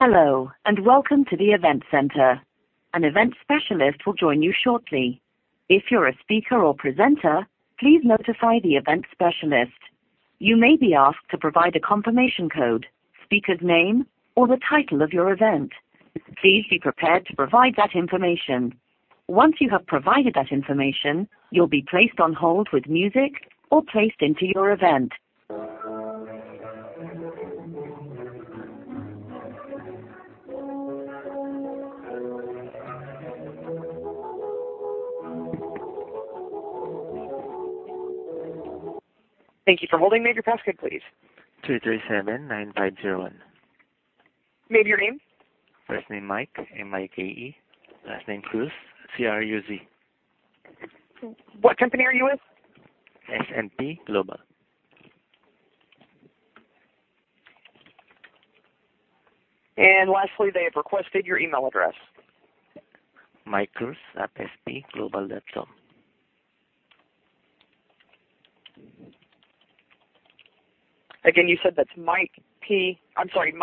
Good morning. Welcome to the T-Mobile US second quarter 2019 earnings call. Following opening remarks, the earnings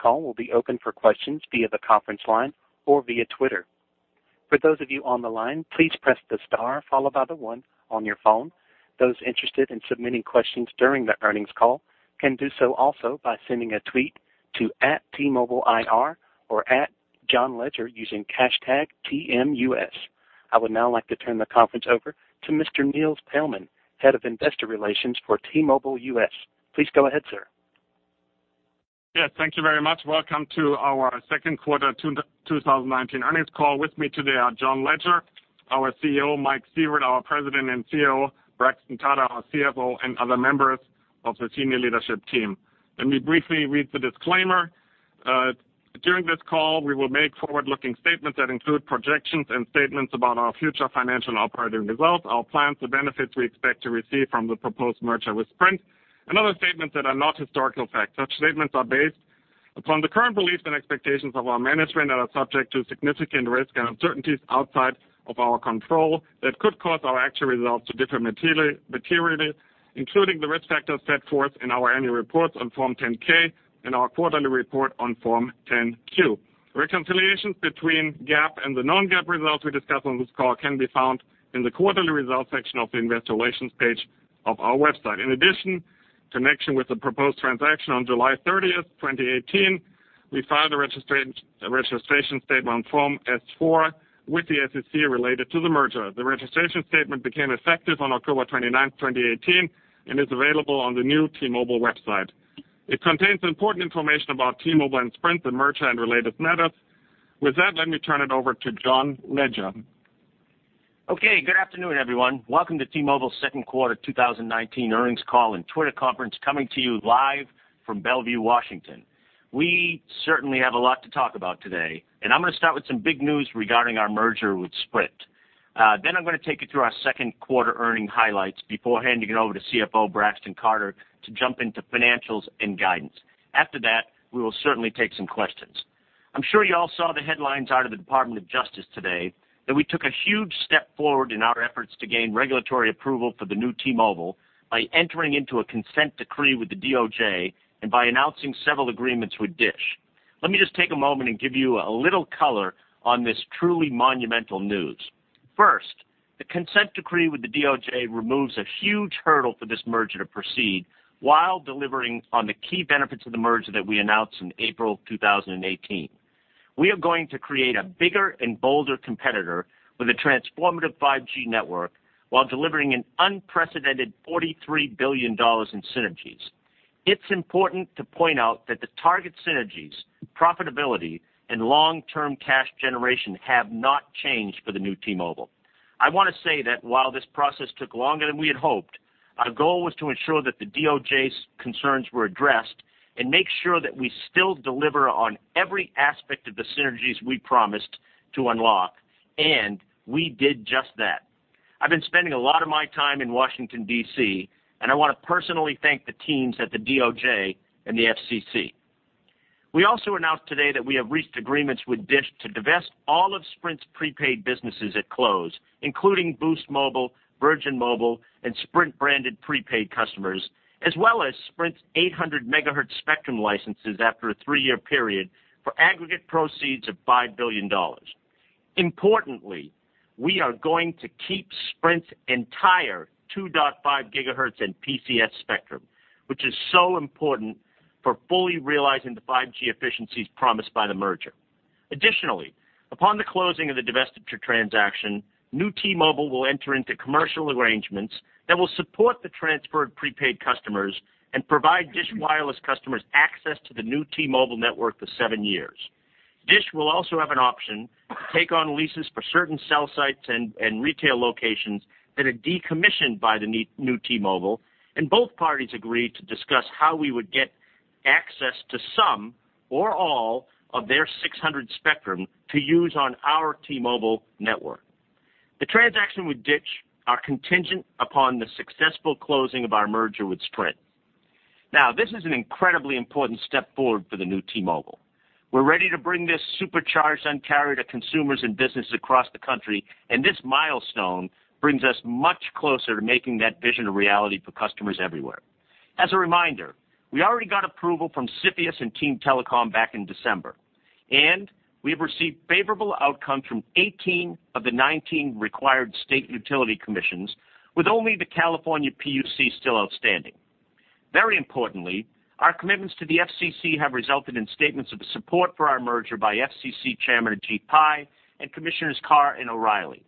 call will be open for questions via the conference line or via Twitter. For those of you on the line, please press the star followed by the one on your phone. Those interested in submitting questions during the earnings call can do so also by sending a tweet to @TMobileIR or @JohnLegere using #TMUS. I would now like to turn the conference over to Mr. Nils Paellmann, Head of Investor Relations for T-Mobile US. Please go ahead, sir. Yes, thank you very much. Welcome to our second quarter 2019 earnings call. With me today are John Legere, our CEO, Mike Sievert, our President and COO, Braxton Carter, our CFO, and other members of the senior leadership team. Let me briefly read the disclaimer. During this call, we will make forward-looking statements that include projections and statements about our future financial and operating results, our plans, the benefits we expect to receive from the proposed merger with Sprint, and other statements that are not historical facts. Such statements are based upon the current beliefs and expectations of our management that are subject to significant risks and uncertainties outside of our control that could cause our actual results to differ materially, including the risk factors set forth in our annual reports on Form 10-K and our quarterly report on Form 10-Q. Reconciliations between GAAP and the non-GAAP results we discuss on this call can be found in the Quarterly Results section of the Investor Relations page of our website. In addition, connection with the proposed transaction on July 30th, 2018, we filed a registration statement on Form S-4 with the SEC related to the merger. The registration statement became effective on October 29th, 2018, and is available on the new T-Mobile website. It contains important information about T-Mobile and Sprint, the merger, and related matters. With that, let me turn it over to John Legere. Okay. Good afternoon, everyone. Welcome to T-Mobile's second quarter 2019 earnings call and Twitter conference, coming to you live from Bellevue, Washington. We certainly have a lot to talk about today. I'm going to start with some big news regarding our merger with Sprint. I'm going to take you through our second quarter earning highlights before handing it over to CFO Braxton Carter to jump into financials and guidance. After that, we will certainly take some questions. I'm sure you all saw the headlines out of the Department of Justice today, that we took a huge step forward in our efforts to gain regulatory approval for the new T-Mobile by entering into a consent decree with the DOJ and by announcing several agreements with DISH. Let me just take a moment and give you a little color on this truly monumental news. The consent decree with the DOJ removes a huge hurdle for this merger to proceed while delivering on the key benefits of the merger that we announced in April 2018. We are going to create a bigger and bolder competitor with a transformative 5G network while delivering an unprecedented $43 billion in synergies. It's important to point out that the target synergies, profitability, and long-term cash generation have not changed for the new T-Mobile. I want to say that while this process took longer than we had hoped, our goal was to ensure that the DOJ's concerns were addressed and make sure that we still deliver on every aspect of the synergies we promised to unlock, and we did just that. I've been spending a lot of my time in Washington, D.C., and I want to personally thank the teams at the DOJ and the FCC. We also announced today that we have reached agreements with DISH to divest all of Sprint's prepaid businesses at close, including Boost Mobile, Virgin Mobile, and Sprint-branded prepaid customers, as well as Sprint's 800 MHz spectrum licenses after a three-year period for aggregate proceeds of $5 billion. Importantly, we are going to keep Sprint's entire 2.5 gigahertz and PCS spectrum, which is so important for fully realizing the 5G efficiencies promised by the merger. Additionally, upon the closing of the divestiture transaction, new T-Mobile will enter into commercial arrangements that will support the transferred prepaid customers and provide DISH Wireless customers access to the new T-Mobile network for seven years. DISH will also have an option to take on leases for certain cell sites and retail locations that are decommissioned by the new T-Mobile. Both parties agreed to discuss how we would get access to some or all of their 600 spectrum to use on our T-Mobile network. The transaction with DISH are contingent upon the successful closing of our merger with Sprint. This is an incredibly important step forward for the new T-Mobile. We're ready to bring this supercharged Un-carrier to consumers and businesses across the country. This milestone brings us much closer to making that vision a reality for customers everywhere. As a reminder, we already got approval from CFIUS and Team Telecom back in December. We have received favorable outcomes from 18 of the 19 required state utility commissions, with only the California PUC still outstanding. Very importantly, our commitments to the FCC have resulted in statements of support for our merger by FCC Chairman, Ajit Pai, and Commissioners Carr and O'Rielly.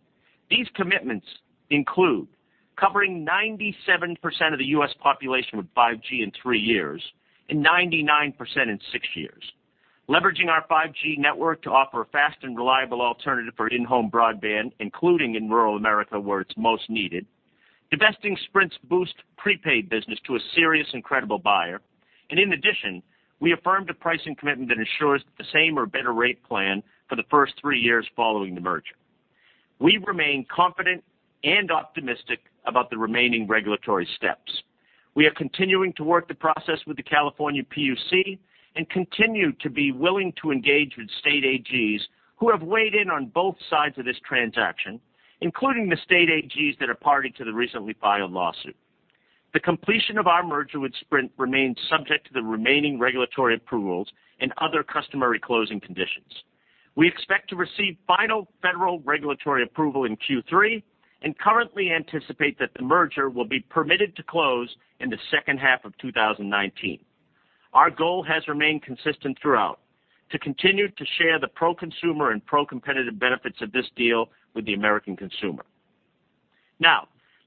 These commitments include covering 97% of the U.S. population with 5G in three years and 99% in six years. Leveraging our 5G network to offer a fast and reliable alternative for in-home broadband, including in rural America, where it's most needed. Divesting Sprint's Boost prepaid business to a serious and credible buyer. In addition, we affirmed a pricing commitment that ensures the same or better rate plan for the first three years following the merger. We remain confident and optimistic about the remaining regulatory steps. We are continuing to work the process with the California PUC and continue to be willing to engage with state AGs who have weighed in on both sides of this transaction, including the state AGs that are party to the recently filed lawsuit. The completion of our merger with Sprint remains subject to the remaining regulatory approvals and other customary closing conditions. We expect to receive final federal regulatory approval in Q3 and currently anticipate that the merger will be permitted to close in the second half of 2019. Our goal has remained consistent throughout, to continue to share the pro-consumer and pro-competitive benefits of this deal with the American consumer.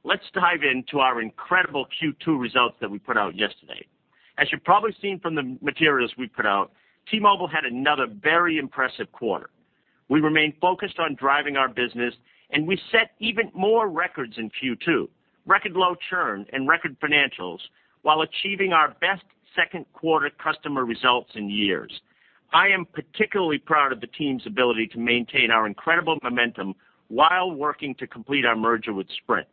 Let's dive into our incredible Q2 results that we put out yesterday. As you've probably seen from the materials we put out, T-Mobile had another very impressive quarter. We remain focused on driving our business, and we set even more records in Q2, record low churn and record financials while achieving our best second quarter customer results in years. I am particularly proud of the team's ability to maintain our incredible momentum while working to complete our merger with Sprint.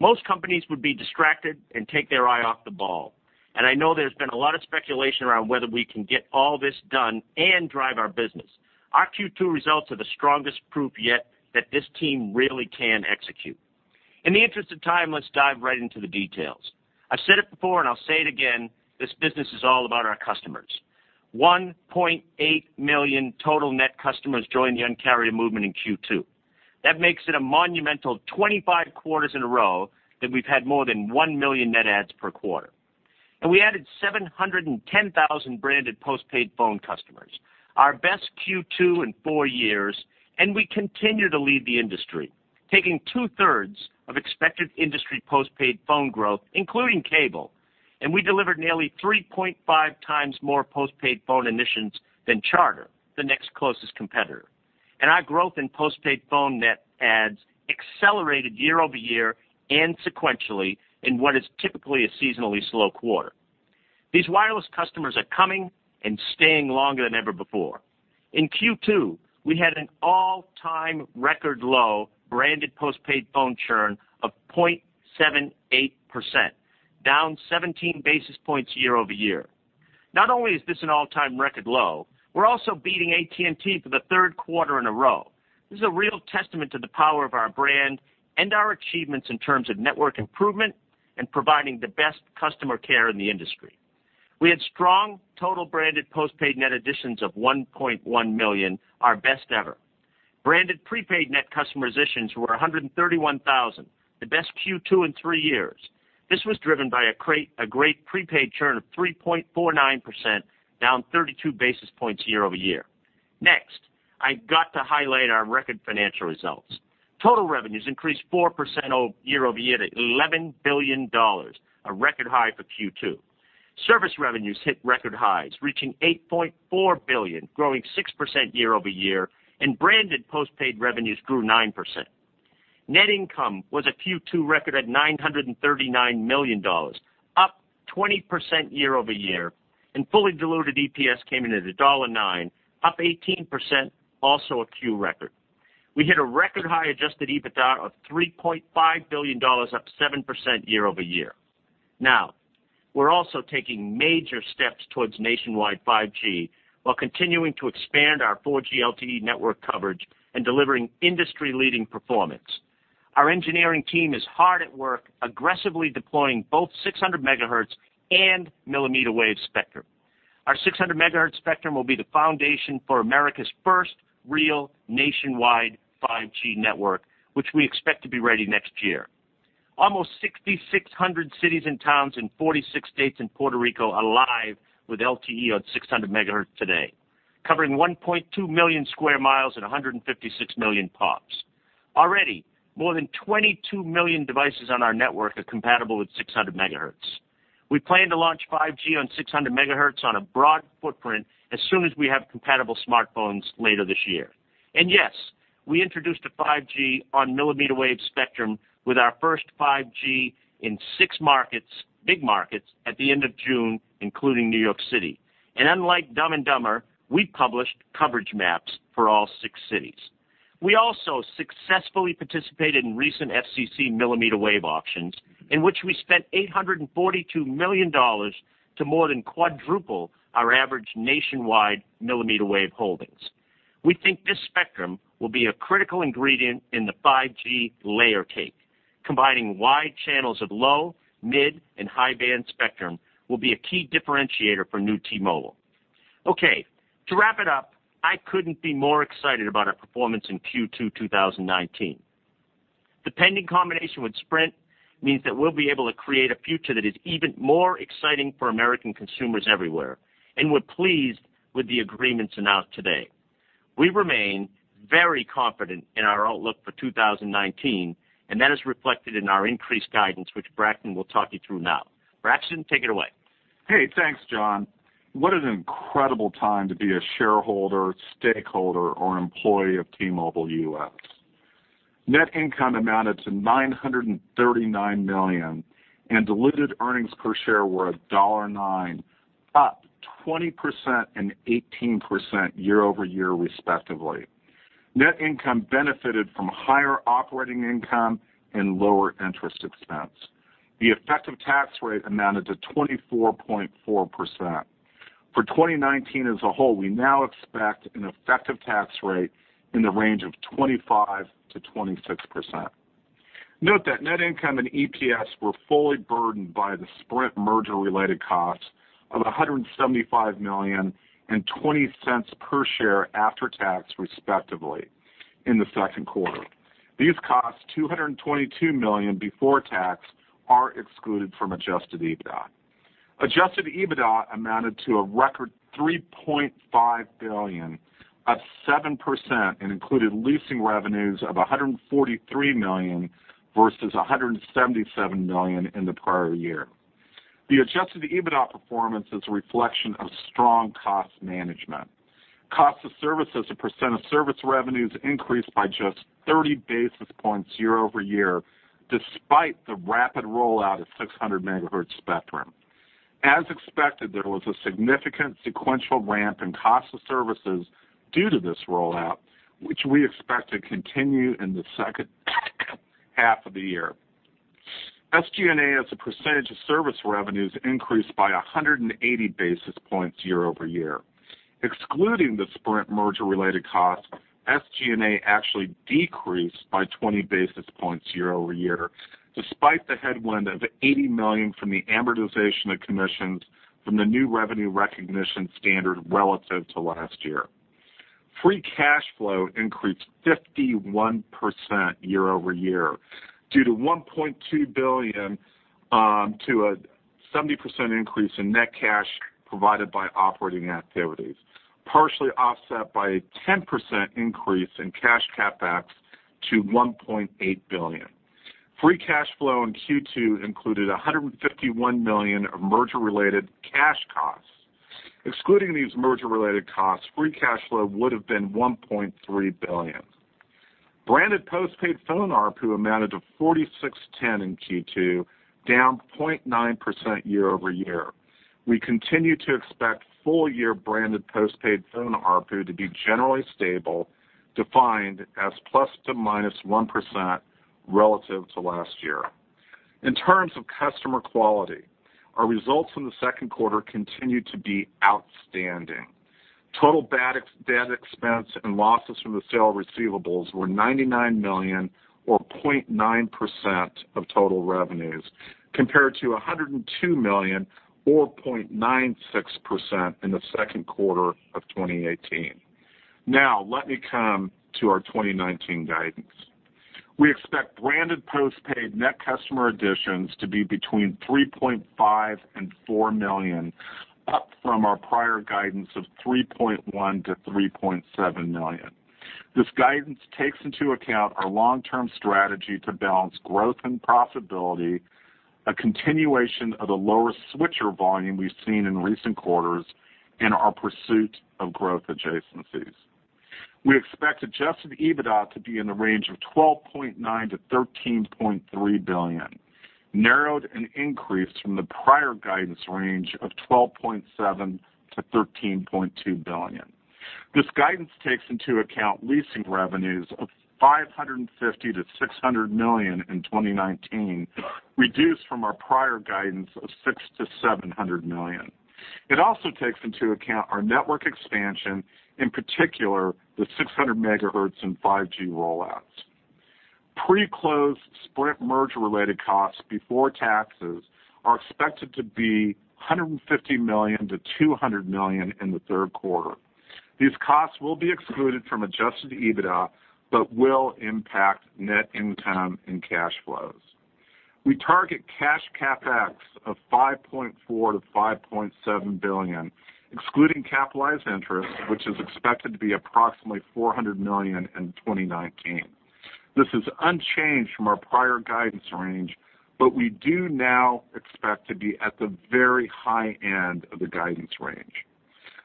Most companies would be distracted and take their eye off the ball, and I know there's been a lot of speculation around whether we can get all this done and drive our business. Our Q2 results are the strongest proof yet that this team really can execute. In the interest of time, let's dive right into the details. I've said it before and I'll say it again, this business is all about our customers. 1.8 million total net customers joined the Un-carrier movement in Q2. That makes it a monumental 25 quarters in a row that we've had more than 1 million net adds per quarter. We added 710,000 branded postpaid phone customers, our best Q2 in four years. We continue to lead the industry, taking two-thirds of expected industry postpaid phone growth, including cable. We delivered nearly 3.5 times more postpaid phone admissions than Charter, the next closest competitor. Our growth in postpaid phone net adds accelerated year-over-year and sequentially in what is typically a seasonally slow quarter. These wireless customers are coming and staying longer than ever before. In Q2, we had an all-time record low branded postpaid phone churn of 0.78%, down 17 basis points year-over-year. Not only is this an all-time record low, we're also beating AT&T for the third quarter in a row. This is a real testament to the power of our brand and our achievements in terms of network improvement and providing the best customer care in the industry. We had strong total branded postpaid net additions of 1.1 million, our best ever. Branded prepaid net customer additions were 131,000, the best Q2 in three years. This was driven by a great prepaid churn of 3.49%, down 32 basis points year-over-year. I've got to highlight our record financial results. Total revenues increased 4% year-over-year to $11 billion, a record high for Q2. Service revenues hit record highs, reaching $8.4 billion, growing 6% year-over-year. Branded postpaid revenues grew 9%. Net income was a Q2 record at $939 million, up 20% year-over-year. Fully diluted EPS came in at a $1.09, up 18%, also a Q record. We hit a record high adjusted EBITDA of $3.5 billion, up 7% year-over-year. We're also taking major steps towards nationwide 5G while continuing to expand our 4G LTE network coverage and delivering industry-leading performance. Our engineering team is hard at work aggressively deploying both 600 MHz and mmWave spectrum. Our 600 MHz spectrum will be the foundation for America's first real nationwide 5G network, which we expect to be ready next year. Almost 6,600 cities and towns in 46 states and Puerto Rico are live with LTE on 600 MHz today, covering 1.2 million sq mi and 156 million pops. Already, more than 22 million devices on our network are compatible with 600 MHz. We plan to launch 5G on 600 MHz on a broad footprint as soon as we have compatible smartphones later this year. Yes, we introduced a 5G on millimeter wave spectrum with our first 5G in six markets, big markets, at the end of June, including New York City. Unlike "Dumb and Dumber," we published coverage maps for all six cities. We also successfully participated in recent FCC millimeter wave auctions, in which we spent $842 million to more than quadruple our average nationwide millimeter wave holdings. We think this spectrum will be a critical ingredient in the 5G layer cake. Combining wide channels of low, mid, and high-band spectrum will be a key differentiator for new T-Mobile. To wrap it up, I couldn't be more excited about our performance in Q2 2019. The pending combination with Sprint means that we'll be able to create a future that is even more exciting for American consumers everywhere, and we're pleased with the agreements announced today. We remain very confident in our outlook for 2019, and that is reflected in our increased guidance, which Braxton will talk you through now. Braxton, take it away. Thanks, John. What an incredible time to be a shareholder, stakeholder, or employee of T-Mobile US. Net income amounted to $939 million, and diluted earnings per share were $1.09, up 20% and 18% year-over-year respectively. Net income benefited from higher operating income and lower interest expense. The effective tax rate amounted to 24.4%. For 2019 as a whole, we now expect an effective tax rate in the range of 25%-26%. Note that net income and EPS were fully burdened by the Sprint merger-related costs of $175 million and $0.20 per share after tax, respectively, in the second quarter. These costs, $222 million before tax, are excluded from adjusted EBITDA. Adjusted EBITDA amounted to a record $3.5 billion, up 7%, and included leasing revenues of $143 million versus $177 million in the prior year. The adjusted EBITDA performance is a reflection of strong cost management. Cost of service as a % of service revenues increased by just 30 basis points year-over-year, despite the rapid rollout of 600 MHz spectrum. As expected, there was a significant sequential ramp in cost of services due to this rollout, which we expect to continue in the second half of the year. SG&A, as a percentage of service revenues, increased by 180 basis points year-over-year. Excluding the Sprint merger-related cost, SG&A actually decreased by 20 basis points year-over-year, despite the headwind of $80 million from the amortization of commissions from the new revenue recognition standard relative to last year. Free cash flow increased 51% year-over-year due to $1.2 billion to a 70% increase in net cash provided by operating activities, partially offset by a 10% increase in cash CapEx to $1.8 billion. Free cash flow in Q2 included $151 million of merger-related cash costs. Excluding these merger-related costs, free cash flow would have been $1.3 billion. Branded postpaid phone ARPU amounted to $46.10 in Q2, down 0.9% year-over-year. We continue to expect full-year branded postpaid phone ARPU to be generally stable, defined as plus to minus 1% relative to last year. In terms of customer quality, our results in the second quarter continued to be outstanding. Total bad debt expense and losses from the sale of receivables were $99 million or 0.9% of total revenues, compared to $102 million or 0.96% in the second quarter of 2018. Let me come to our 2019 guidance. We expect branded postpaid net customer additions to be between 3.5 and 4 million, up from our prior guidance of 3.1 million-3.7 million. This guidance takes into account our long-term strategy to balance growth and profitability, a continuation of the lower switcher volume we've seen in recent quarters, and our pursuit of growth adjacencies. We expect adjusted EBITDA to be in the range of $12.9 billion-$13.3 billion, narrowed an increase from the prior guidance range of $12.7 billion-$13.2 billion. This guidance takes into account leasing revenues of $550 million-$600 million in 2019, reduced from our prior guidance of $600 million-$700 million. It also takes into account our network expansion, in particular the 600 MHz and 5G rollouts. Pre-close Sprint merger-related costs before taxes are expected to be $150 million-$200 million in the third quarter. These costs will be excluded from adjusted EBITDA but will impact net income and cash flows. We target cash CapEx of $5.4 billion-$5.7 billion, excluding capitalized interest, which is expected to be approximately $400 million in 2019. This is unchanged from our prior guidance range, we do now expect to be at the very high end of the guidance range.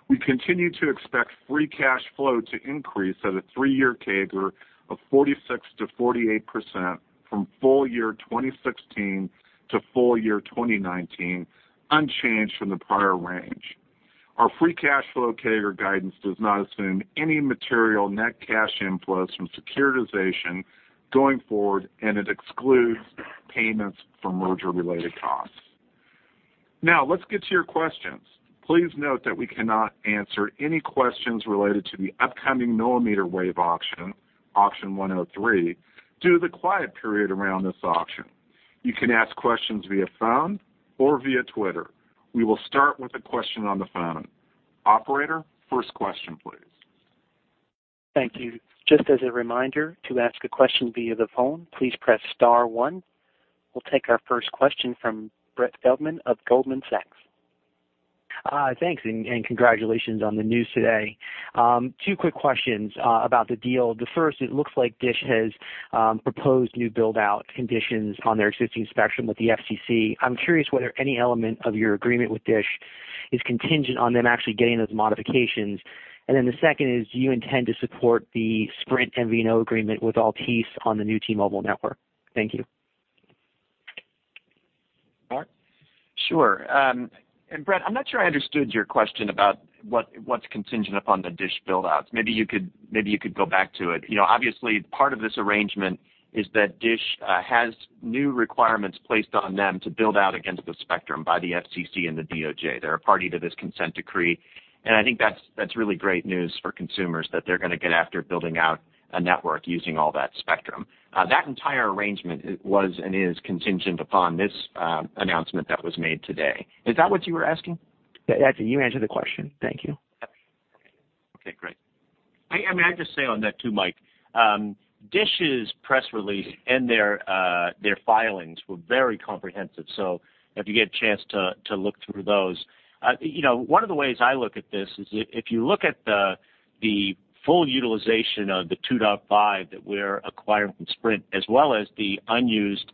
We continue to expect free cash flow to increase at a three-year CAGR of 46%-48% from full year 2016 to full year 2019, unchanged from the prior range. Our free cash flow CAGR guidance does not assume any material net cash inflows from securitization going forward, it excludes payments for merger-related costs. Let's get to your questions. Please note that we cannot answer any questions related to the upcoming millimeter wave auction, Auction 103, due to the quiet period around this auction. You can ask questions via phone or via Twitter. We will start with a question on the phone. Operator, first question, please. Thank you. Just as a reminder, to ask a question via the phone, please press star one. We'll take our first question from Brett Feldman of Goldman Sachs. Thanks, and congratulations on the news today. Two quick questions about the deal. The first, it looks like DISH has proposed new build-out conditions on their existing spectrum with the FCC. I'm curious whether any element of your agreement with DISH is contingent on them actually getting those modifications. The second is, do you intend to support the Sprint MVNO agreement with Altice on the new T-Mobile network? Thank you. Mark? Sure. Brett, I'm not sure I understood your question about what's contingent upon the DISH build-outs. Maybe you could go back to it. Obviously, part of this arrangement is that DISH has new requirements placed on them to build out against the spectrum by the FCC and the DOJ. They're a party to this consent decree, and I think that's really great news for consumers, that they're going to get after building out a network using all that spectrum. That entire arrangement was, and is, contingent upon this announcement that was made today. Is that what you were asking? Yes, sir. You answered the question. Thank you. Yep. Okay, great. May I just say on that, too, Mike, DISH's press release and their filings were very comprehensive, if you get a chance to look through those. One of the ways I look at this is if you look at the full utilization of the 2.5 that we're acquiring from Sprint, as well as the unused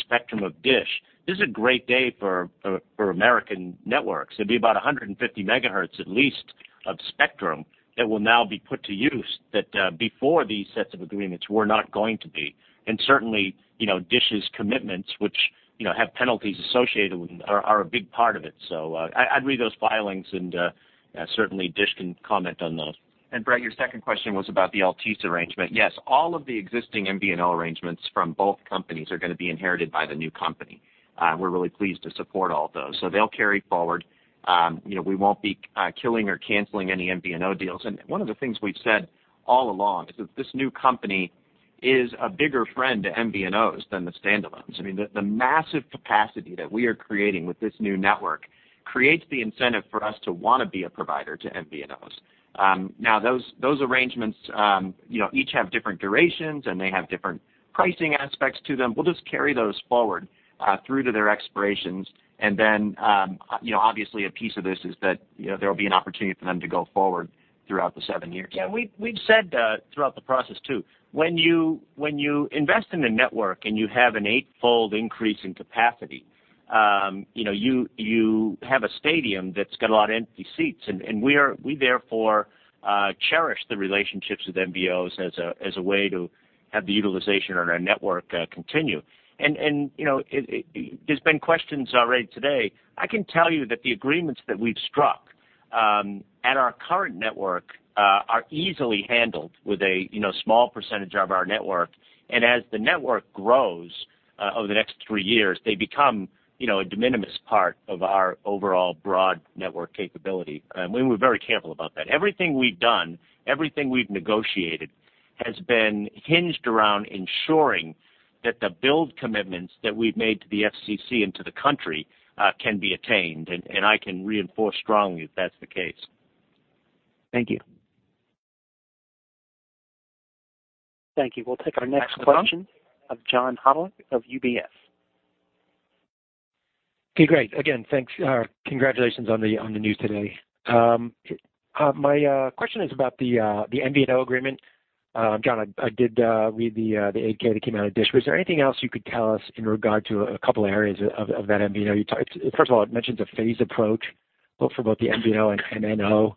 spectrum of DISH, this is a great day for American networks. It'd be about 150 MHz, at least, of spectrum that will now be put to use that before these sets of agreements were not going to be. Certainly, DISH's commitments, which have penalties associated with them, are a big part of it. I'd read those filings, certainly DISH can comment on those. Brett, your second question was about the Altice arrangement. All of the existing MVNO arrangements from both companies are going to be inherited by the new company. We're really pleased to support all of those. They'll carry forward. We won't be killing or canceling any MVNO deals. One of the things we've said all along is that this new company is a bigger friend to MVNOs than the standalones. I mean, the massive capacity that we are creating with this new network creates the incentive for us to want to be a provider to MVNOs. Those arrangements each have different durations, and they have different pricing aspects to them. We'll just carry those forward through to their expirations. Obviously, a piece of this is that there'll be an opportunity for them to go forward throughout the seven years. We've said throughout the process, too, when you invest in a network and you have an eight-fold increase in capacity, you have a stadium that's got a lot of empty seats, and we therefore cherish the relationships with MVNOs as a way to have the utilization on our network continue. There's been questions already today. I can tell you that the agreements that we've struck at our current network are easily handled with a small percentage of our network. As the network grows over the next three years, they become a de minimis part of our overall broad network capability. We were very careful about that. Everything we've done, everything we've negotiated, has been hinged around ensuring that the build commitments that we've made to the FCC and to the country can be attained, and I can reinforce strongly that that's the case. Thank you. Thank you. We'll take our next question of John Hodulik of UBS. Okay, great. Again, thanks. Congratulations on the news today. My question is about the MVNO agreement. John, I did read the 8-K that came out of DISH. Was there anything else you could tell us in regard to a couple areas of that MVNO? First of all, it mentions a phased approach, for both the MVNO and MNO.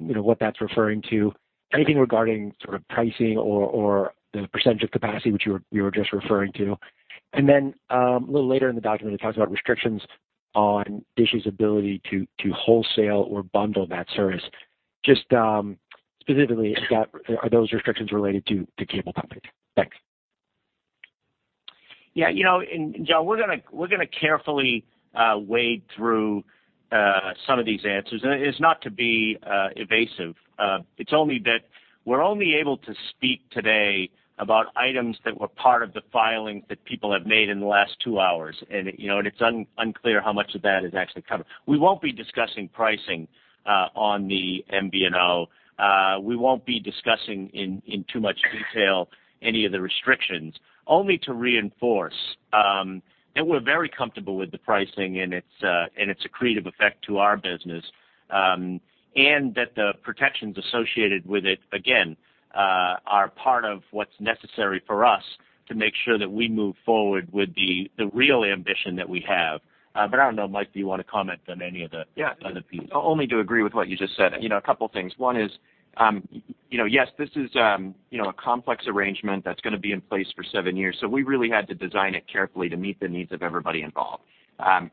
What that's referring to, anything regarding sort of pricing or the percentage of capacity, which you were just referring to. A little later in the document, it talks about restrictions on DISH's ability to wholesale or bundle that service. Just specifically, are those restrictions related to cable companies? Thanks. Yeah, John, we're going to carefully wade through some of these answers. It is not to be evasive. It's only that we're only able to speak today about items that were part of the filings that people have made in the last two hours. It's unclear how much of that is actually covered. We won't be discussing pricing on the MVNO. We won't be discussing in too much detail any of the restrictions. Only to reinforce that we're very comfortable with the pricing and its accretive effect to our business. That the protections associated with it, again, are part of what's necessary for us to make sure that we move forward with the real ambition that we have. I don't know, Mike, do you want to comment on any of the other pieces? Yeah. Only to agree with what you just said. A couple things. One is, yes, this is a complex arrangement that's going to be in place for seven years. We really had to design it carefully to meet the needs of everybody involved.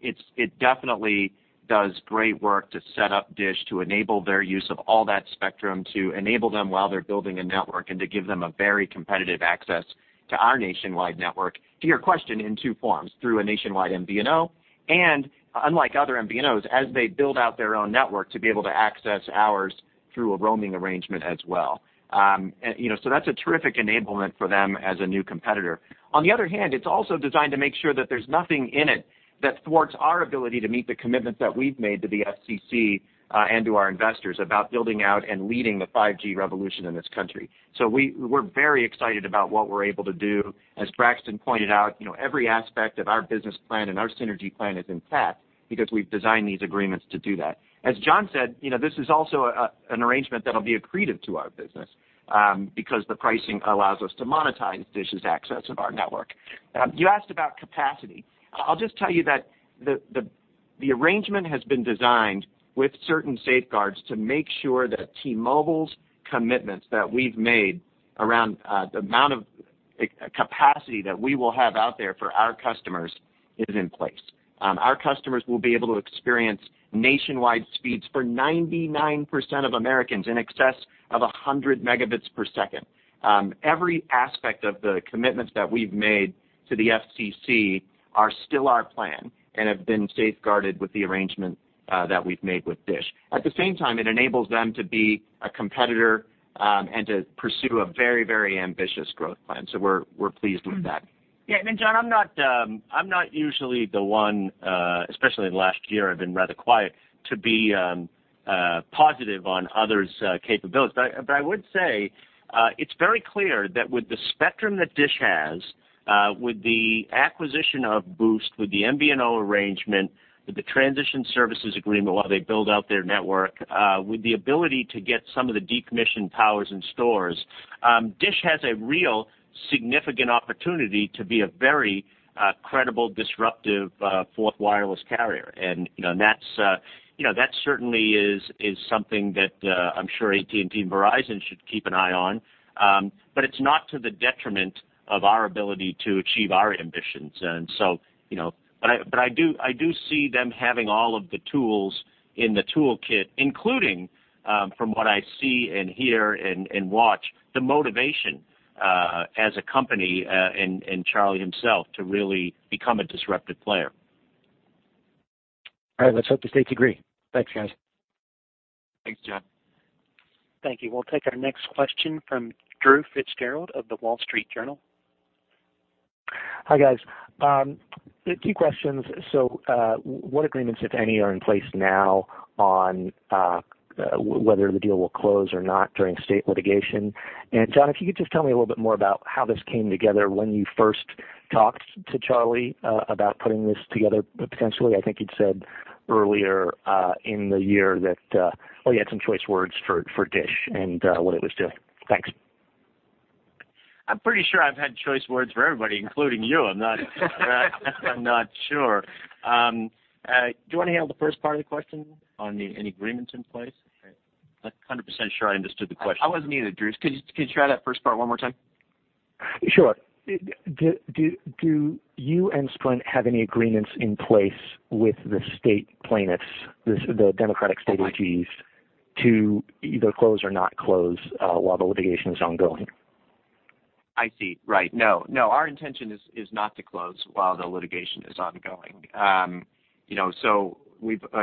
It definitely does great work to set up DISH, to enable their use of all that spectrum, to enable them while they're building a network, and to give them a very competitive access to our nationwide network. To your question in two forms, through a nationwide MVNO, and unlike other MVNOs, as they build out their own network, to be able to access ours through a roaming arrangement as well. That's a terrific enablement for them as a new competitor. It's also designed to make sure that there's nothing in it that thwarts our ability to meet the commitments that we've made to the FCC and to our investors about building out and leading the 5G revolution in this country. We're very excited about what we're able to do. As Braxton pointed out, every aspect of our business plan and our synergy plan is intact because we've designed these agreements to do that. As John said, this is also an arrangement that'll be accretive to our business because the pricing allows us to monetize DISH's access of our network. You asked about capacity. I'll just tell you that the arrangement has been designed with certain safeguards to make sure that T-Mobile's commitments that we've made around the amount of capacity that we will have out there for our customers is in place. Our customers will be able to experience nationwide speeds for 99% of Americans in excess of 100 Mbps. Every aspect of the commitments that we've made to the FCC are still our plan and have been safeguarded with the arrangement that we've made with DISH. At the same time, it enables them to be a competitor, and to pursue a very ambitious growth plan. We're pleased with that. Yeah, John, I'm not usually the one, especially in the last year, I've been rather quiet, to be positive on others' capabilities. I would say, it's very clear that with the spectrum that DISH has, with the acquisition of Boost, with the MVNO arrangement, with the transition services agreement while they build out their network, with the ability to get some of the decommissioned towers and stores, DISH has a real significant opportunity to be a very credible, disruptive fourth wireless carrier. That certainly is something that I'm sure AT&T and Verizon should keep an eye on. It's not to the detriment of our ability to achieve our ambitions. I do see them having all of the tools in the toolkit, including, from what I see and hear and watch, the motivation as a company, and Charlie himself, to really become a disruptive player. All right. Let's hope the states agree. Thanks, guys. Thanks, John. Thank you. We'll take our next question from Drew FitzGerald of The Wall Street Journal. Hi, guys. Two questions. What agreements, if any, are in place now on whether the deal will close or not during state litigation? John, if you could just tell me a little bit more about how this came together when you first talked to Charlie about putting this together potentially. I think you'd said earlier in the year that, well, you had some choice words for DISH and what it was doing. Thanks. I'm pretty sure I've had choice words for everybody, including you. I'm not sure. Do you want to handle the first part of the question on any agreements in place? I'm not 100% sure I understood the question. I wasn't either, Drew. Could you try that first part one more time? Sure. Do you and Sprint have any agreements in place with the state plaintiffs, the Democratic AGs, to either close or not close while the litigation is ongoing? I see. Right. No. Our intention is not to close while the litigation is ongoing.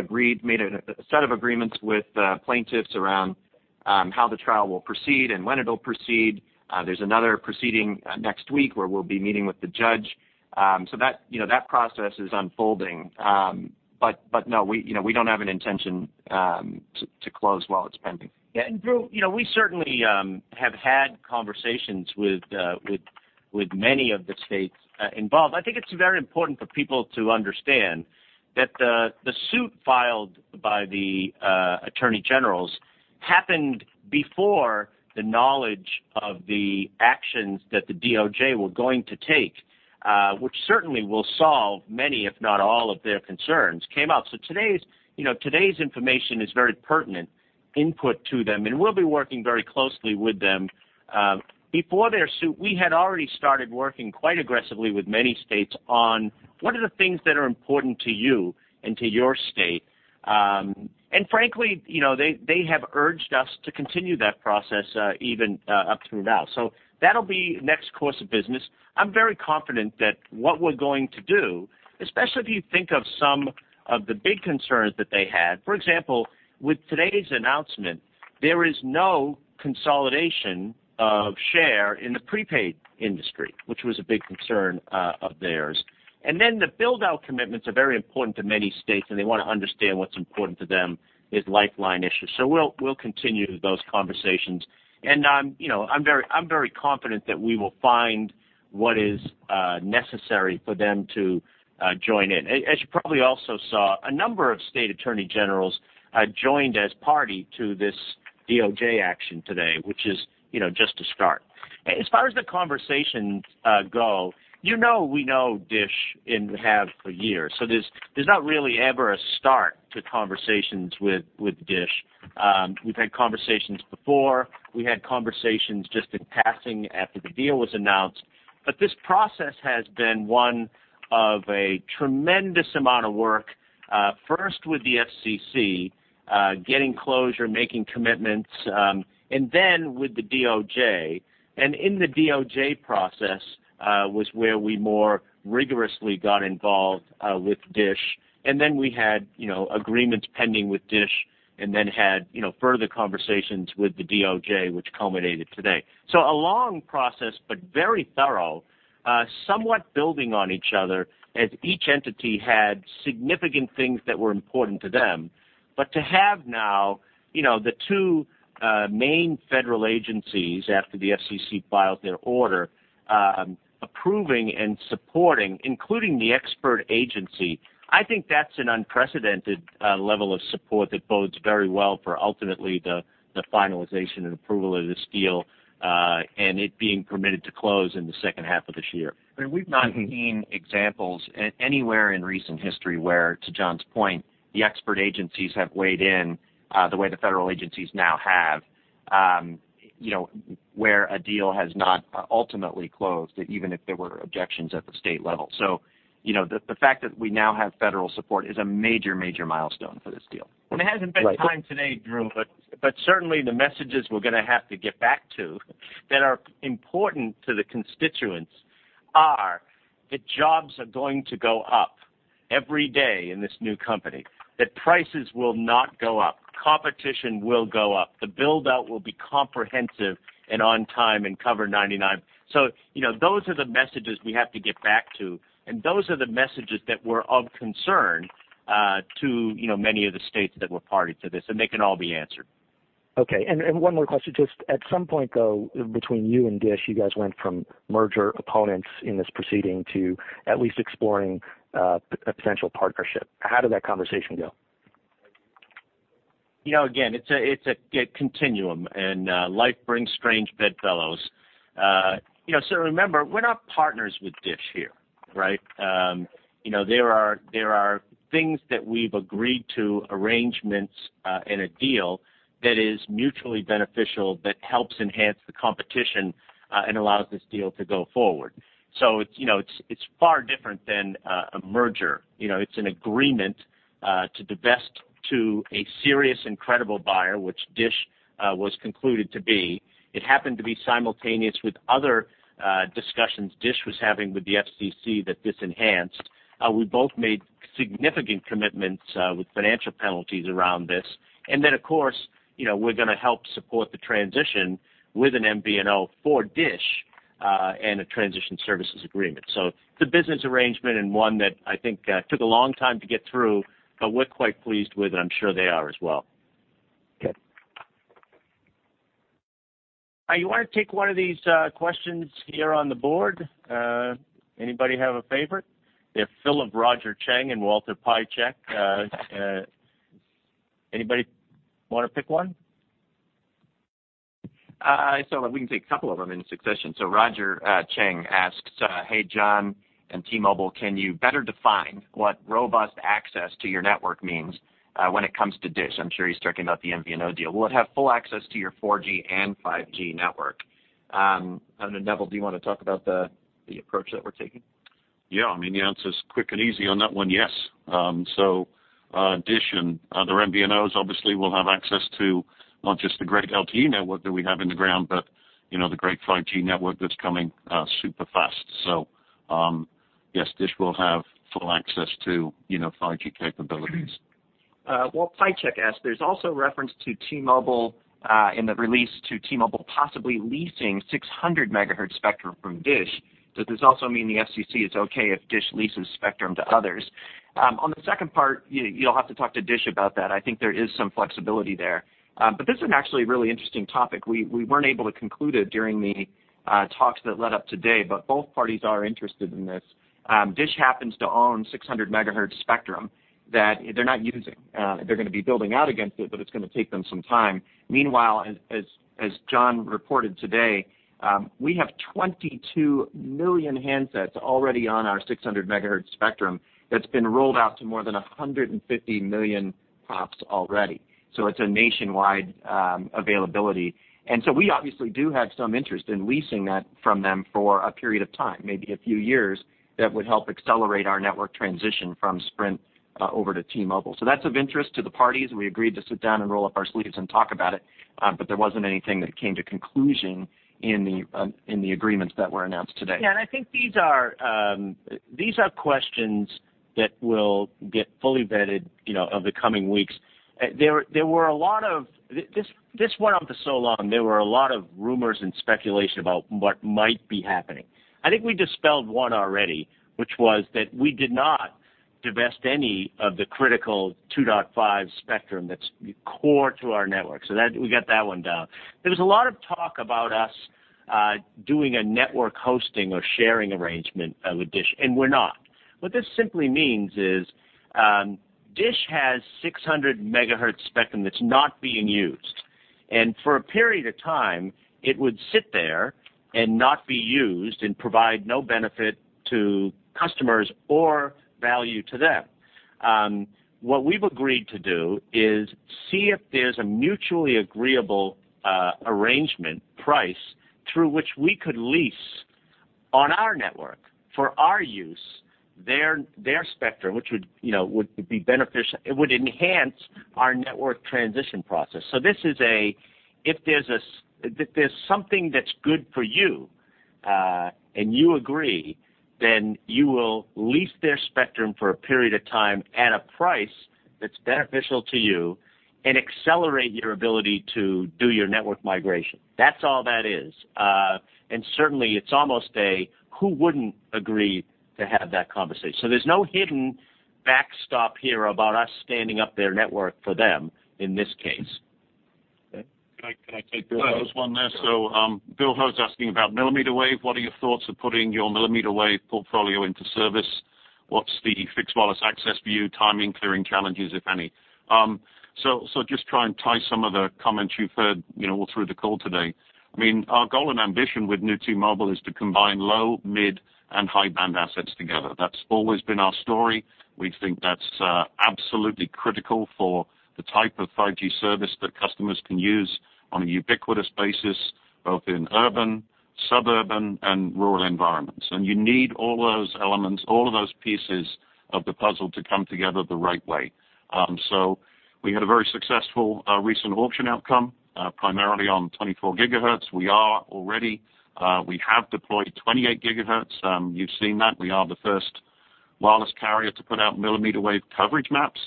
We've made a set of agreements with the plaintiffs around how the trial will proceed and when it'll proceed. There's another proceeding next week where we'll be meeting with the judge. That process is unfolding. No, we don't have an intention to close while it's pending. Yeah. Drew, we certainly have had conversations with many of the states involved. I think it's very important for people to understand that the suit filed by the attorney generals happened before the knowledge of the actions that the DOJ were going to take, which certainly will solve many, if not all, of their concerns, came up. Today's information is very pertinent input to them, and we'll be working very closely with them. Before their suit, we had already started working quite aggressively with many states on what are the things that are important to you and to your state. Frankly, they have urged us to continue that process even up through now. That'll be next course of business. I'm very confident that what we're going to do, especially if you think of some of the big concerns that they had. For example, with today's announcement. There is no consolidation of share in the prepaid industry, which was a big concern of theirs. The build-out commitments are very important to many states, and they want to understand what's important to them is lifeline issues. We'll continue those conversations. I'm very confident that we will find what is necessary for them to join in. As you probably also saw, a number of state attorney generals joined as party to this DOJ action today, which is just a start. As far as the conversations go, you know we know DISH and have for years. There's not really ever a start to conversations with DISH. We've had conversations before. We had conversations just in passing after the deal was announced. This process has been one of a tremendous amount of work, first with the FCC, getting closure, making commitments, then with the DOJ. In the DOJ process was where we more rigorously got involved with DISH. Then we had agreements pending with DISH and then had further conversations with the DOJ, which culminated today. A long process, but very thorough, somewhat building on each other as each entity had significant things that were important to them. To have now the two main federal agencies, after the FCC filed their order, approving and supporting, including the expert agency, I think that's an unprecedented level of support that bodes very well for ultimately the finalization and approval of this deal and it being permitted to close in the second half of this year. I mean, we've not seen examples anywhere in recent history where, to John's point, the expert agencies have weighed in the way the federal agencies now have, where a deal has not ultimately closed, even if there were objections at the state level. The fact that we now have federal support is a major milestone for this deal. There hasn't been time today, Drew, but certainly the messages we're going to have to get back to that are important to the constituents are that jobs are going to go up every day in this new company, that prices will not go up, competition will go up, the build-out will be comprehensive and on time and cover 99. Those are the messages we have to get back to, and those are the messages that were of concern to many of the states that were party to this, and they can all be answered. Okay. One more question. Just at some point, though, between you and DISH, you guys went from merger opponents in this proceeding to at least exploring a potential partnership. How did that conversation go? It's a continuum, and life brings strange bedfellows. Remember, we're not partners with DISH here, right? There are things that we've agreed to, arrangements in a deal that is mutually beneficial, that helps enhance the competition and allows this deal to go forward. It's far different than a merger. It's an agreement to divest to a serious and credible buyer, which DISH was concluded to be. It happened to be simultaneous with other discussions DISH was having with the FCC that this enhanced. We both made significant commitments with financial penalties around this. Of course, we're going to help support the transition with an MVNO for DISH and a transition services agreement. It's a business arrangement and one that I think took a long time to get through, but we're quite pleased with, and I'm sure they are as well. Okay. You want to take one of these questions here on the board? Anybody have a favorite? We have Philip, Roger Cheng, and Walter Piecyk. Anybody want to pick one? We can take a couple of them in succession. Roger Cheng asks, "Hey, John and T-Mobile, can you better define what robust access to your network means when it comes to DISH?" I'm sure he's talking about the MVNO deal. Will it have full access to your 4G and 5G network? I don't know, Neville, do you want to talk about the approach that we're taking? Yeah. I mean, the answer's quick and easy on that one, yes. DISH and other MVNOs obviously will have access to not just the great LTE network that we have in the ground, but the great 5G network that's coming super fast. Yes, DISH will have full access to 5G capabilities. Walt Piecyk asks, "There's also reference in the release to T-Mobile possibly leasing 600 MHz spectrum from DISH. Does this also mean the FCC is okay if DISH leases spectrum to others?" On the second part, you'll have to talk to DISH about that. I think there is some flexibility there. This is an actually really interesting topic. We weren't able to conclude it during the talks that led up today, but both parties are interested in this. DISH happens to own 600 MHz spectrum that they're not using. They're going to be building out against it, but it's going to take them some time. Meanwhile, as John reported today, we have 22 million handsets already on our 600 MHz spectrum that's been rolled out to more than 150 million pops already. It's a nationwide availability. We obviously do have some interest in leasing that from them for a period of time, maybe a few years, that would help accelerate our network transition from Sprint over to T-Mobile. That's of interest to the parties. We agreed to sit down and roll up our sleeves and talk about it. There wasn't anything that came to conclusion in the agreements that were announced today. Yeah, and I think these are questions that will get fully vetted over the coming weeks. This went on for so long, there were a lot of rumors and speculation about what might be happening. I think we dispelled one already, which was that we did not divest any of the critical 2.5 GHz that's core to our network. That we got that one down. There was a lot of talk about us doing a network hosting or sharing arrangement with DISH, and we're not. What this simply means is, DISH has 600 MHz spectrum that's not being used. For a period of time, it would sit there and not be used and provide no benefit to customers or value to them. What we've agreed to do is see if there's a mutually agreeable arrangement price through which we could lease, on our network for our use, their spectrum, which would enhance our network transition process. If there's something that's good for you, and you agree, then you will lease their spectrum for a period of time at a price that's beneficial to you and accelerate your ability to do your network migration. That's all that is. Certainly, it's almost a who wouldn't agree to have that conversation. There's no hidden backstop here about us standing up their network for them in this case. Can I take Bill's? There was one there. Bill Ho's asking about millimeter wave. What are your thoughts of putting your millimeter wave portfolio into service? What's the fixed wireless access view timing, clearing challenges, if any? Just try and tie some of the comments you've heard all through the call today. Our goal and ambition with New T-Mobile is to combine low, mid, and high-band assets together. That's always been our story. We think that's absolutely critical for the type of 5G service that customers can use on a ubiquitous basis, both in urban, suburban, and rural environments. You need all those elements, all of those pieces of the puzzle to come together the right way. We had a very successful recent auction outcome, primarily on 24 GHz. We have deployed 28 GHz. You've seen that. We are the first wireless carrier to put out millimeter wave coverage maps.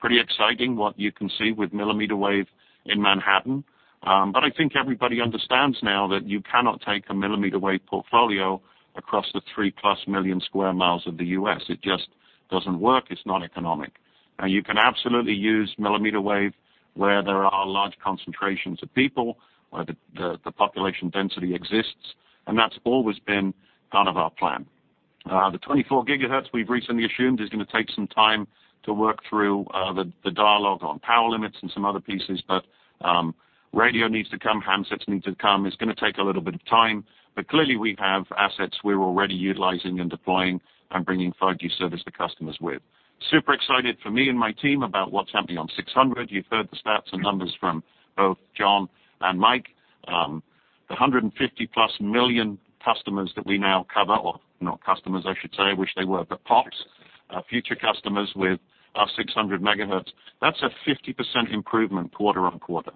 Pretty exciting what you can see with millimeter wave in Manhattan. I think everybody understands now that you cannot take a millimeter wave portfolio across the three-plus million square miles of the U.S. It just doesn't work. It's not economic. Now, you can absolutely use millimeter wave where there are large concentrations of people, where the population density exists, and that's always been part of our plan. The 24 GHz we've recently assumed is going to take some time to work through the dialogue on power limits and some other pieces. Radio needs to come, handsets need to come. It's going to take a little bit of time, but clearly we have assets we're already utilizing and deploying and bringing 5G service to customers with. Super excited for me and my team about what's happening on 600. You've heard the stats and numbers from both John and Mike. The 150-plus million customers that we now cover, or not customers I should say, wish they were, but pops, future customers with our 600 MHz, that's a 50% improvement quarter-on-quarter.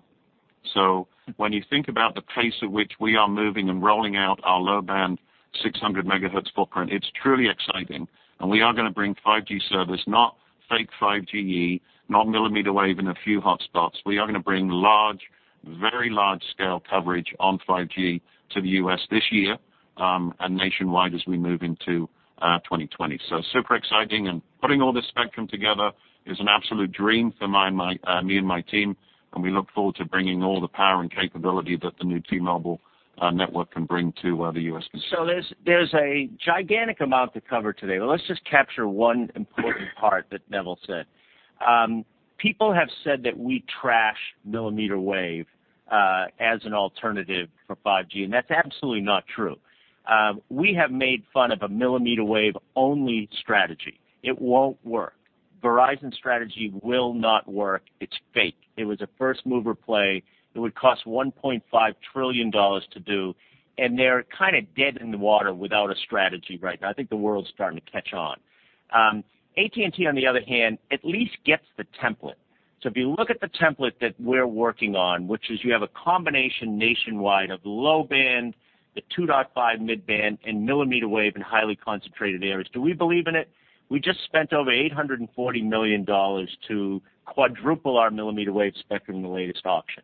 When you think about the pace at which we are moving and rolling out our low-band 600 MHz footprint, it's truly exciting. We are going to bring 5G service, not fake 5G E, not millimeter wave in a few hotspots. We are going to bring very large-scale coverage on 5G to the U.S. this year. Nationwide as we move into 2020. Super exciting. Putting all this spectrum together is an absolute dream for me and my team. We look forward to bringing all the power and capability that the new T-Mobile network can bring to the U.S. There's a gigantic amount to cover today, let's just capture one important part that Neville said. People have said that we trash millimeter wave as an alternative for 5G, that's absolutely not true. We have made fun of a millimeter wave-only strategy. It won't work. Verizon's strategy will not work. It's fake. It was a first-mover play. It would cost $1.5 trillion to do, they're kind of dead in the water without a strategy right now. I think the world's starting to catch on. AT&T, on the other hand, at least gets the template. If you look at the template that we're working on, which is you have a combination nationwide of low-band, the 2.5 mid-band, and millimeter wave in highly concentrated areas. Do we believe in it? We just spent over $840 million to quadruple our millimeter wave spectrum in the latest auction.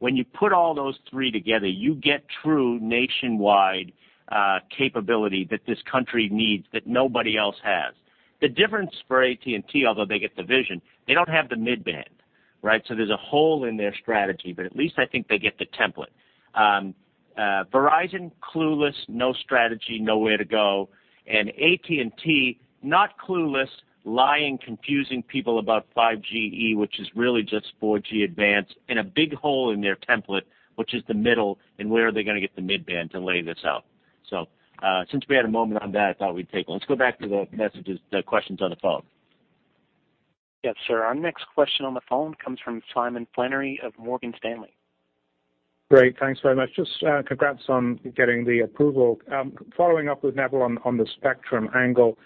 When you put all those three together, you get true nationwide capability that this country needs that nobody else has. The difference for AT&T, although they get the vision, they don't have the mid-band. There's a hole in their strategy, but at least I think they get the template. Verizon, clueless, no strategy, nowhere to go. AT&T, not clueless, lying, confusing people about 5G E, which is really just 4G Advanced, and a big hole in their template, which is the middle, and where are they going to get the mid-band to lay this out? Since we had a moment on that, I thought we'd take one. Let's go back to the questions on the phone. Yes, sir. Our next question on the phone comes from Simon Flannery of Morgan Stanley. Great. Thanks very much. Just congrats on getting the approval. Following up with Neville on the spectrum angle.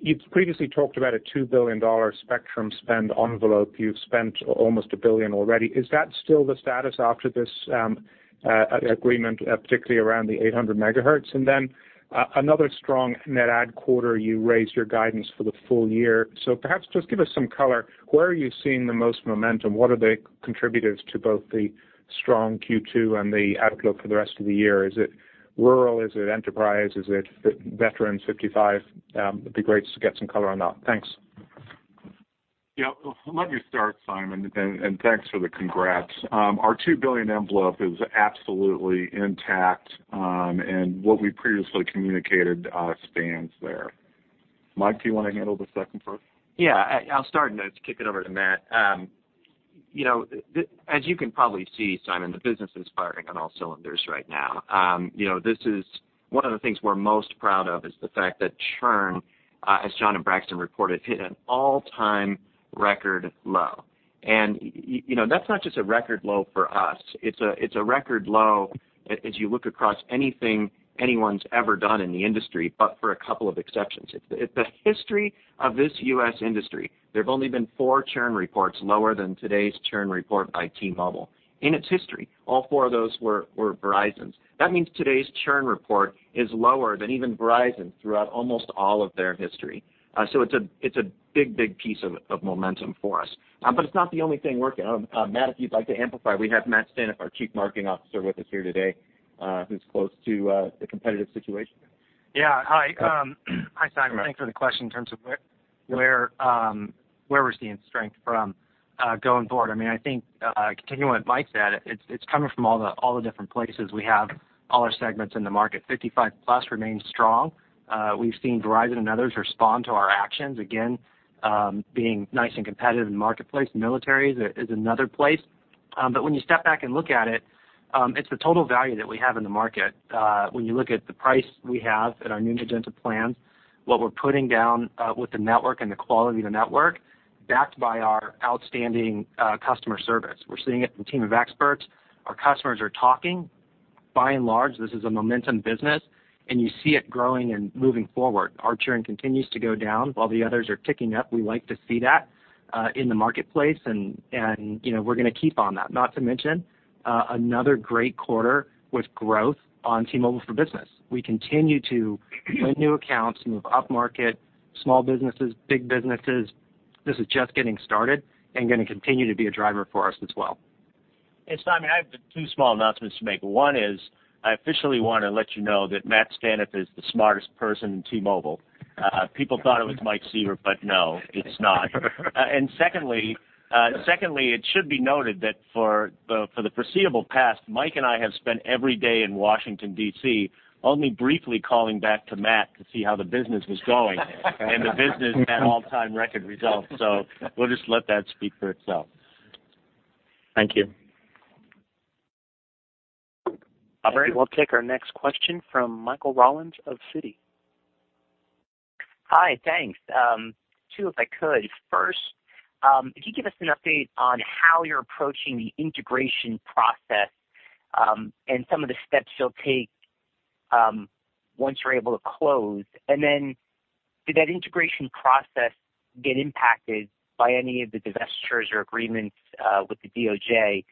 You've previously talked about a $2 billion spectrum spend envelope. You've spent almost $1 billion already. Is that still the status after this agreement, particularly around the 800 MHz? Another strong net add quarter, you raised your guidance for the full year. Perhaps just give us some color. Where are you seeing the most momentum? What are the contributors to both the strong Q2 and the outlook for the rest of the year? Is it rural? Is it enterprise? Is it veterans 55? It'd be great to get some color on that. Thanks. Yeah. Let me start, Simon, and thanks for the congrats. Our $2 billion envelope is absolutely intact, and what we previously communicated stands there. Mike, do you want to handle the second part? Yeah. I'll start. I'll just kick it over to Matt. As you can probably see, Simon, the business is firing on all cylinders right now. One of the things we're most proud of is the fact that churn, as John and Braxton reported, hit an all-time record low, and that's not just a record low for us. It's a record low as you look across anything anyone's ever done in the industry, but for a couple of exceptions. In the history of this U.S. industry, there have only been four churn reports lower than today's churn report by T-Mobile. In its history, all four of those were Verizon's. That means today's churn report is lower than even Verizon's throughout almost all of their history. It's a big piece of momentum for us. It's not the only thing working on. Matt, if you'd like to amplify, we have Matt Staneff, our Chief Marketing Officer, with us here today, who's close to the competitive situation. Hi, Simon Flannery. Thanks for the question in terms of where we're seeing strength from going forward. I think continuing what Mike Sievert said, it's coming from all the different places we have all our segments in the market. Unlimited 55+ remains strong. We've seen Verizon and others respond to our actions, again, being nice and competitive in the marketplace. Military is another place. When you step back and look at it's the total value that we have in the market. When you look at the price we have at our new Magenta plans, what we're putting down with the network and the quality of the network, backed by our outstanding customer service. We're seeing it from Team of Experts. Our customers are talking. By and large, this is a momentum business, and you see it growing and moving forward. Our churn continues to go down while the others are ticking up. We like to see that in the marketplace, and we're going to keep on that. Not to mention, another great quarter with growth on T-Mobile for Business. We continue to win new accounts, move upmarket, small businesses, big businesses. This is just getting started and going to continue to be a driver for us as well. Simon, I have two small announcements to make. One is I officially want to let you know that Matt Staneff is the smartest person in T-Mobile. People thought it was Mike Sievert, but no, it's not. Secondly, it should be noted that for the foreseeable past, Mike and I have spent every day in Washington, D.C., only briefly calling back to Matt to see how the business was going. The business had all-time record results. We'll just let that speak for itself. Thank you. All right. We'll take our next question from Michael Rollins of Citi. Hi, thanks. Two, if I could. First, could you give us an update on how you're approaching the integration process, and some of the steps you'll take once you're able to close? Did that integration process get impacted by any of the divestitures or agreements with the DOJ?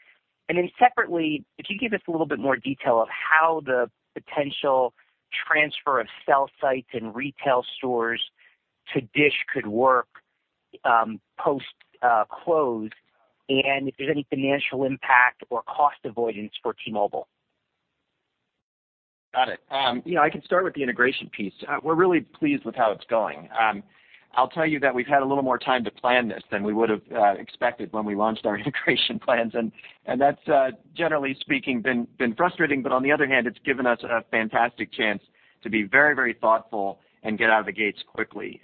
Separately, could you give us a little bit more detail of how the potential transfer of cell sites and retail stores to DISH could work post close, and if there's any financial impact or cost avoidance for T-Mobile? Got it. I can start with the integration piece. We're really pleased with how it's going. I'll tell you that we've had a little more time to plan this than we would have expected when we launched our integration plans, and that's, generally speaking, been frustrating. On the other hand, it's given us a fantastic chance to be very thoughtful and get out of the gates quickly.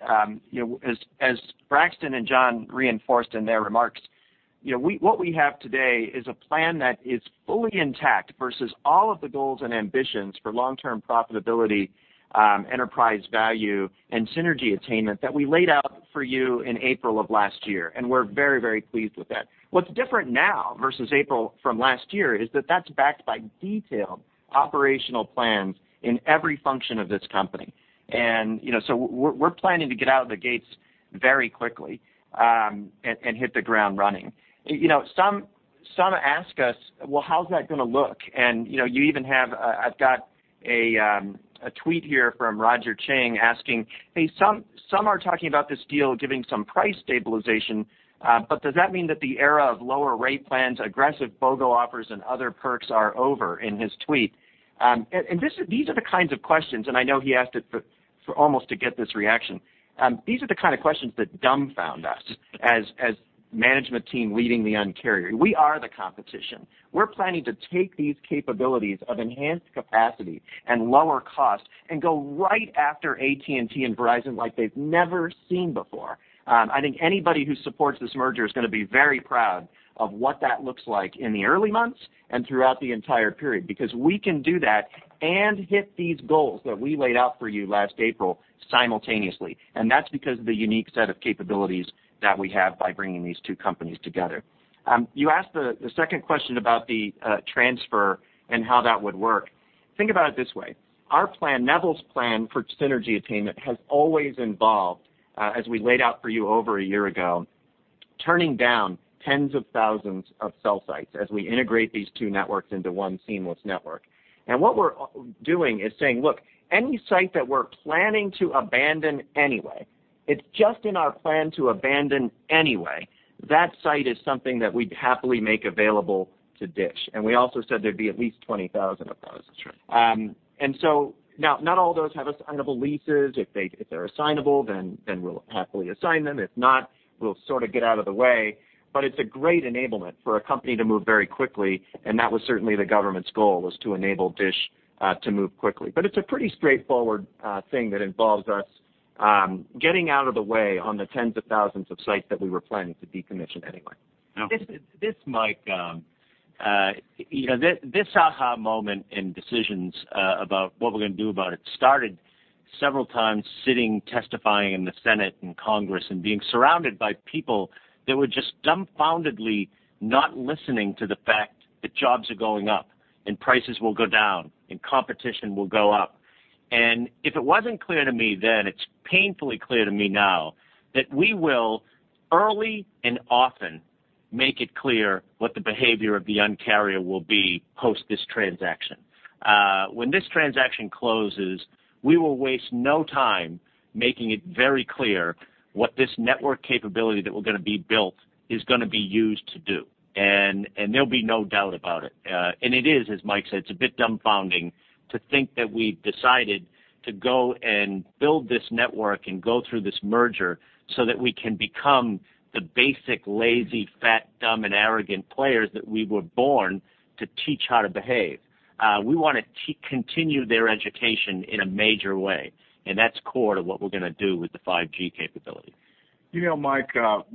As Braxton and John reinforced in their remarks, what we have today is a plan that is fully intact versus all of the goals and ambitions for long-term profitability, enterprise value, and synergy attainment that we laid out for you in April of last year, and we're very pleased with that. What's different now versus April from last year is that's backed by detailed operational plans in every function of this company. We're planning to get out of the gates very quickly and hit the ground running. Some ask us, "Well, how's that going to look?" I've got a tweet here from Roger Cheng asking, "Hey, some are talking about this deal giving some price stabilization." Does that mean that the era of lower rate plans, aggressive BOGO offers, and other perks are over?" in his tweet. These are the kinds of questions, and I know he asked it almost to get this reaction. These are the kind of questions that dumbfound us as management team leading the Un-carrier. We are the competition. We're planning to take these capabilities of enhanced capacity and lower cost and go right after AT&T and Verizon like they've never seen before. I think anybody who supports this merger is going to be very proud of what that looks like in the early months and throughout the entire period, because we can do that and hit these goals that we laid out for you last April simultaneously. That's because of the unique set of capabilities that we have by bringing these two companies together. You asked the second question about the transfer and how that would work. Think about it this way. Our plan, Neville's plan for synergy attainment has always involved, as we laid out for you over a year ago, turning down tens of thousands of cell sites as we integrate these two networks into one seamless network. What we're doing is saying, look, any site that we're planning to abandon anyway, it's just in our plan to abandon anyway. That site is something that we'd happily make available to DISH. We also said there'd be at least 20,000 of those. That's right. Now, not all of those have assignable leases. If they're assignable, then we'll happily assign them. If not, we'll sort of get out of the way. It's a great enablement for a company to move very quickly, and that was certainly the government's goal, was to enable DISH to move quickly. It's a pretty straightforward thing that involves us getting out of the way on the tens of thousands of sites that we were planning to decommission anyway. This, Mike, this aha moment in decisions, about what we're going to do about it, started several times sitting testifying in the Senate and Congress and being surrounded by people that were just dumbfoundedly not listening to the fact that jobs are going up, and prices will go down, and competition will go up. If it wasn't clear to me then, it's painfully clear to me now, that we will early and often make it clear what the behavior of the Un-carrier will be post this transaction. When this transaction closes, we will waste no time making it very clear what this network capability that we're going to be built is going to be used to do. There'll be no doubt about it. It is, as Mike said, it's a bit dumbfounding to think that we decided to go and build this network and go through this merger so that we can become the basic lazy, fat, dumb, and arrogant players that we were born to teach how to behave. We want to continue their education in a major way, and that's core to what we're going to do with the 5G capability. Mike,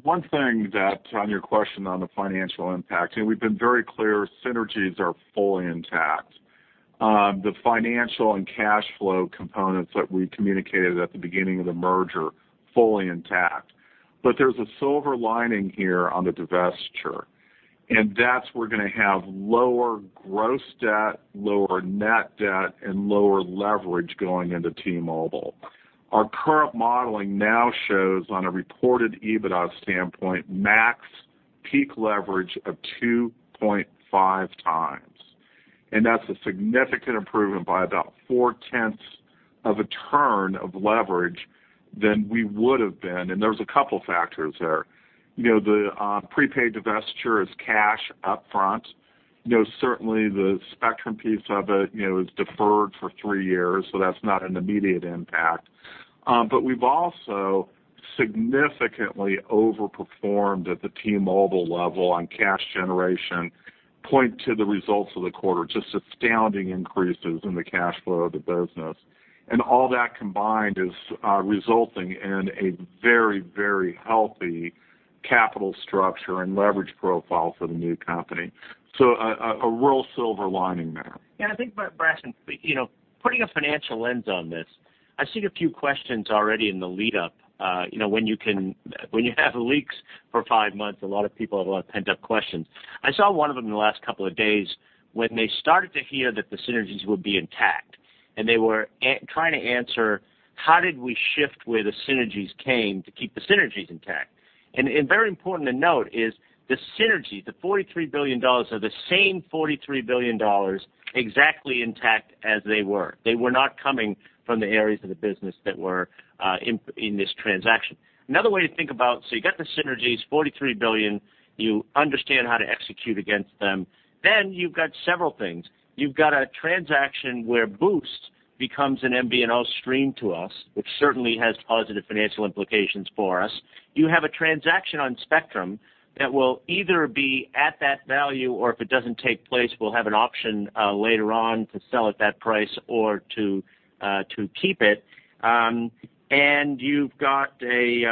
one thing that, on your question on the financial impact, we've been very clear, synergies are fully intact. The financial and cash flow components that we communicated at the beginning of the merger, fully intact. There's a silver lining here on the divestiture, and that's we're going to have lower gross debt, lower net debt, and lower leverage going into T-Mobile. Our current modeling now shows, on a reported EBITDA standpoint, max peak leverage of 2.5 times. That's a significant improvement by about four-tenths of a turn of leverage than we would have been, and there's a couple factors there. The prepaid divestiture is cash upfront. Certainly the spectrum piece of it is deferred for three years, that's not an immediate impact. We've also significantly overperformed at the T-Mobile level on cash generation. Point to the results of the quarter, just astounding increases in the cash flow of the business. All that combined is resulting in a very healthy capital structure and leverage profile for the new company. A real silver lining there. Yeah, I think, Braxton, putting a financial lens on this, I've seen a few questions already in the lead up. When you have leaks for five months, a lot of people have a lot of pent-up questions. I saw one of them in the last couple of days when they started to hear that the synergies would be intact, and they were trying to answer, how did we shift where the synergies came to keep the synergies intact? Very important to note is the synergies, the $43 billion are the same $43 billion exactly intact as they were. They were not coming from the areas of the business that were in this transaction. Another way to think about, so you got the synergies, $43 billion. You understand how to execute against them. You've got several things. You've got a transaction where Boost becomes an MVNO stream to us, which certainly has positive financial implications for us. You have a transaction on spectrum that will either be at that value or if it doesn't take place, we'll have an option later on to sell at that price or to keep it. You've got DISH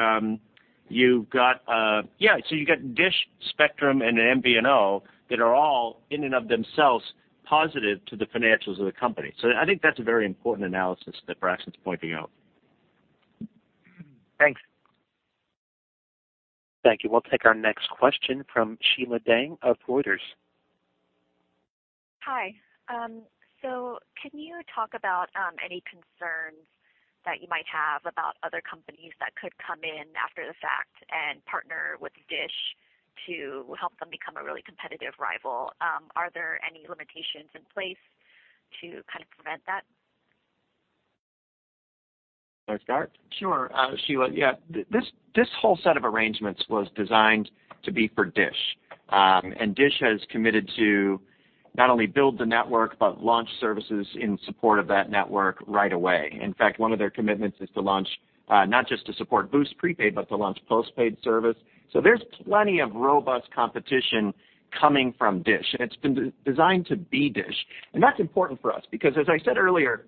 spectrum and MVNO that are all in and of themselves positive to the financials of the company. I think that's a very important analysis that Braxton's pointing out. Thanks. Thank you. We'll take our next question from Sheila Dang of Reuters. Hi. Can you talk about any concerns that you might have about other companies that could come in after the fact and partner with DISH to help them become a really competitive rival? Are there any limitations in place to kind of prevent that? You want to start? Sure. Sheila, yeah. This whole set of arrangements was designed to be for DISH. DISH has committed to not only build the network but launch services in support of that network right away. In fact, one of their commitments is to launch, not just to support Boost prepaid, but to launch postpaid service. There's plenty of robust competition Coming from DISH. It's been designed to be DISH, and that's important for us because as I said earlier,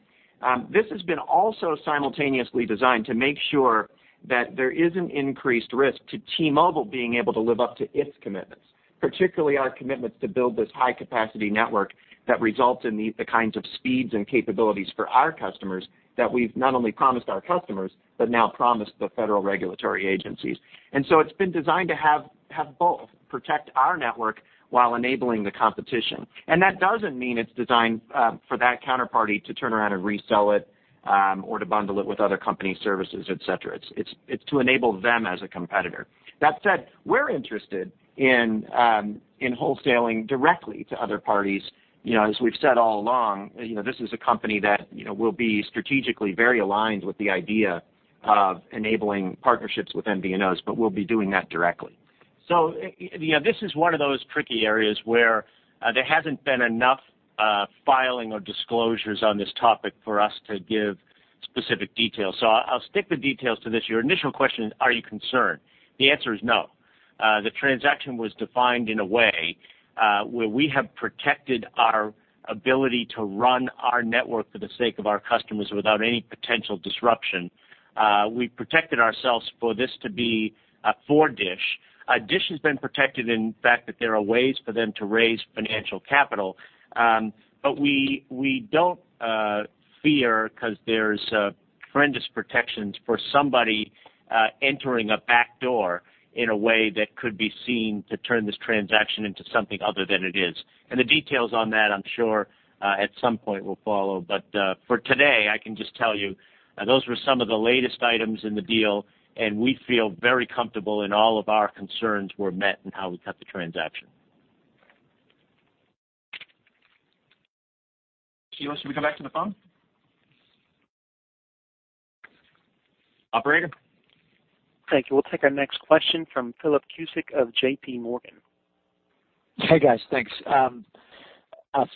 this has been also simultaneously designed to make sure that there is an increased risk to T-Mobile being able to live up to its commitments, particularly our commitments to build this high-capacity network that results in the kinds of speeds and capabilities for our customers that we've not only promised our customers, but now promised the federal regulatory agencies. It's been designed to have both, protect our network while enabling the competition. That doesn't mean it's designed for that counterparty to turn around and resell it, or to bundle it with other company services, et cetera. It's to enable them as a competitor. That said, we're interested in wholesaling directly to other parties. As we've said all along, this is a company that will be strategically very aligned with the idea of enabling partnerships with MVNOs, but we'll be doing that directly. This is one of those tricky areas where there hasn't been enough filing of disclosures on this topic for us to give specific details. I'll stick the details to this. Your initial question is, are you concerned? The answer is no. The transaction was defined in a way where we have protected our ability to run our network for the sake of our customers without any potential disruption. We protected ourselves for this to be for DISH. DISH has been protected in the fact that there are ways for them to raise financial capital. We don't fear because there's tremendous protections for somebody entering a back door in a way that could be seen to turn this transaction into something other than it is. The details on that, I'm sure, at some point will follow. For today, I can just tell you, those were some of the latest items in the deal, and we feel very comfortable in all of our concerns were met in how we cut the transaction. Should we come back to the phone? Operator? Thank you. We'll take our next question from Philip Cusick of JPMorgan. Hey, guys. Thanks.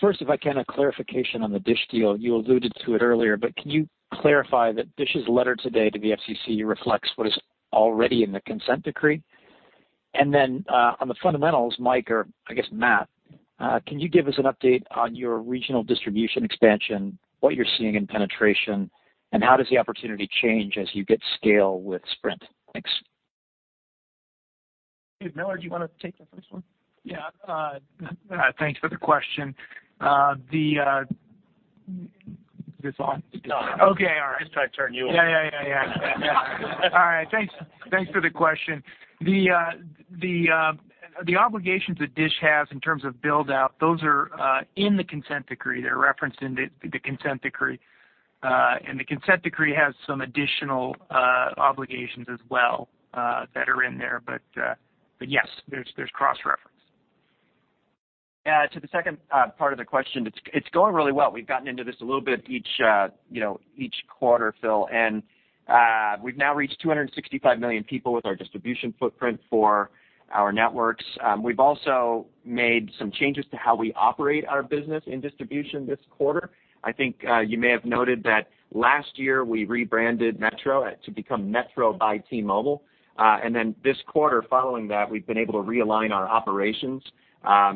First, if I can, a clarification on the DISH deal. You alluded to it earlier, but can you clarify that DISH's letter today to the FCC reflects what is already in the consent decree? Then, on the fundamentals, Mike, or I guess Matt, can you give us an update on your regional distribution expansion, what you're seeing in penetration, and how does the opportunity change as you get scale with Sprint? Thanks. Miller, do you want to take the first one? Yeah. Thanks for the question. Is this on? No. Okay. All right. I tried to turn you on. Yeah. All right. Thanks for the question. The obligations that DISH has in terms of build-out, those are in the consent decree. They're referenced in the consent decree. The consent decree has some additional obligations as well that are in there. Yes, there's cross-reference. To the second part of the question, it's going really well. We've gotten into this a little bit each quarter, Phil, and we've now reached 265 million people with our distribution footprint for our networks. We've also made some changes to how we operate our business in distribution this quarter. I think you may have noted that last year we rebranded Metro to become Metro by T-Mobile. This quarter following that, we've been able to realign our operations.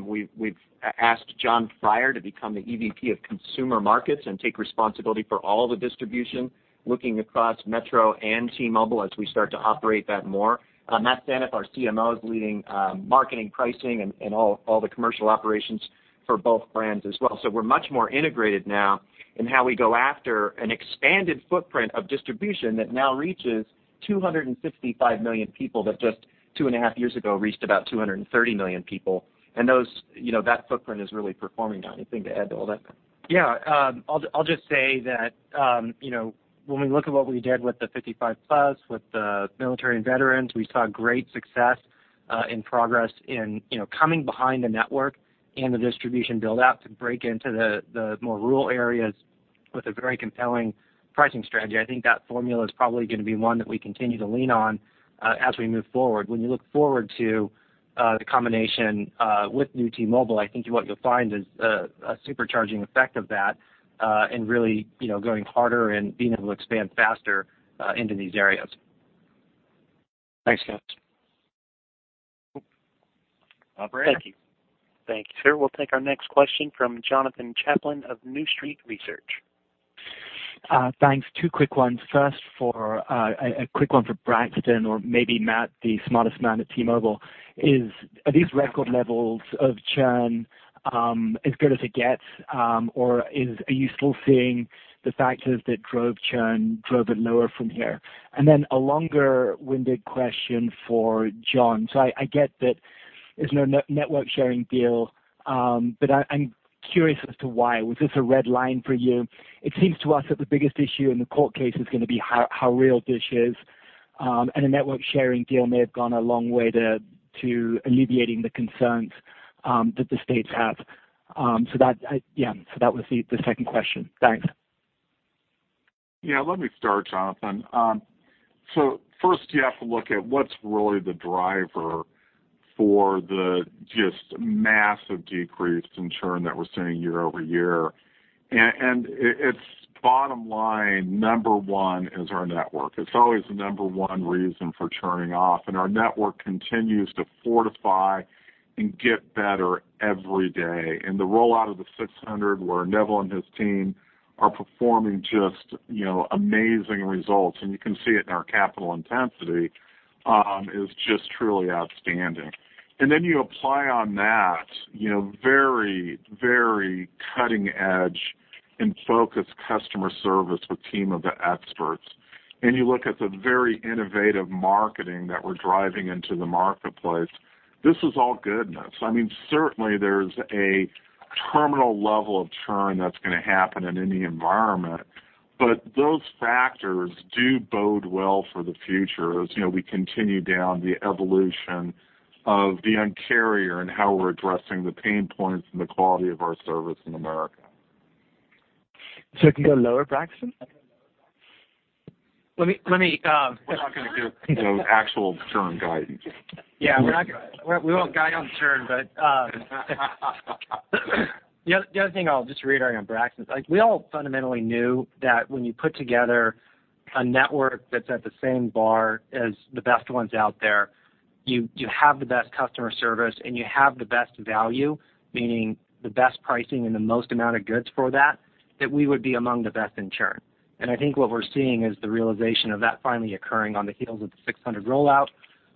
We've asked Jon Freier to become the EVP of Consumer Markets and take responsibility for all the distribution, looking across Metro and T-Mobile as we start to operate that more. Matt Staneff, our CMO, is leading marketing pricing and all the commercial operations for both brands as well. We're much more integrated now in how we go after an expanded footprint of distribution that now reaches 255 million people that just two and a half years ago reached about 230 million people. That footprint is really performing now. Anything to add to all that? I'll just say that when we look at what we did with the Unlimited 55+, with the military and veterans, we saw great success and progress in coming behind the network and the distribution build-out to break into the more rural areas with a very compelling pricing strategy. I think that formula is probably going to be one that we continue to lean on as we move forward. When you look forward to the combination with new T-Mobile, I think what you'll find is a supercharging effect of that and really going harder and being able to expand faster into these areas. Thanks, guys. Operator. Thank you. Thank you, sir. We'll take our next question from Jonathan Chaplin of New Street Research. Thanks. Two quick ones. First, a quick one for Braxton or maybe Matt, the smartest man at T-Mobile US, is, are these record levels of churn as good as it gets, or are you still seeing the factors that drove churn, drove it lower from here? A longer-winded question for John. I get that there's no network sharing deal, but I'm curious as to why. Was this a red line for you? It seems to us that the biggest issue in the court case is going to be how real DISH is, and a network sharing deal may have gone a long way to alleviating the concerns that the states have. That was the second question. Thanks. Yeah. Let me start, Jonathan. First you have to look at what's really the driver for the just massive decrease in churn that we're seeing year-over-year. Its bottom line, number one is our network. It's always the number one reason for churning off, and our network continues to fortify and get better every day. The rollout of the 600, where Neville and his team are performing just amazing results, and you can see it in our capital intensity, is just truly outstanding. You apply on that very cutting edge and focused customer service with Team of Experts, and you look at the very innovative marketing that we're driving into the marketplace. This is all goodness. Certainly, there's a terminal level of churn that's going to happen in any environment, but those factors do bode well for the future as we continue down the evolution of the Un-carrier and how we're addressing the pain points and the quality of our service in America. Can you go lower, Braxton? Let me- We're not going to give actual churn guidance. Yeah, we won't guide on churn. The other thing I'll just reiterate on Braxton's. We all fundamentally knew that when you put together a network that's at the same bar as the best ones out there, you have the best customer service and you have the best value, meaning the best pricing and the most amount of goods for that we would be among the best in churn. I think what we're seeing is the realization of that finally occurring on the heels of the 600 rollout,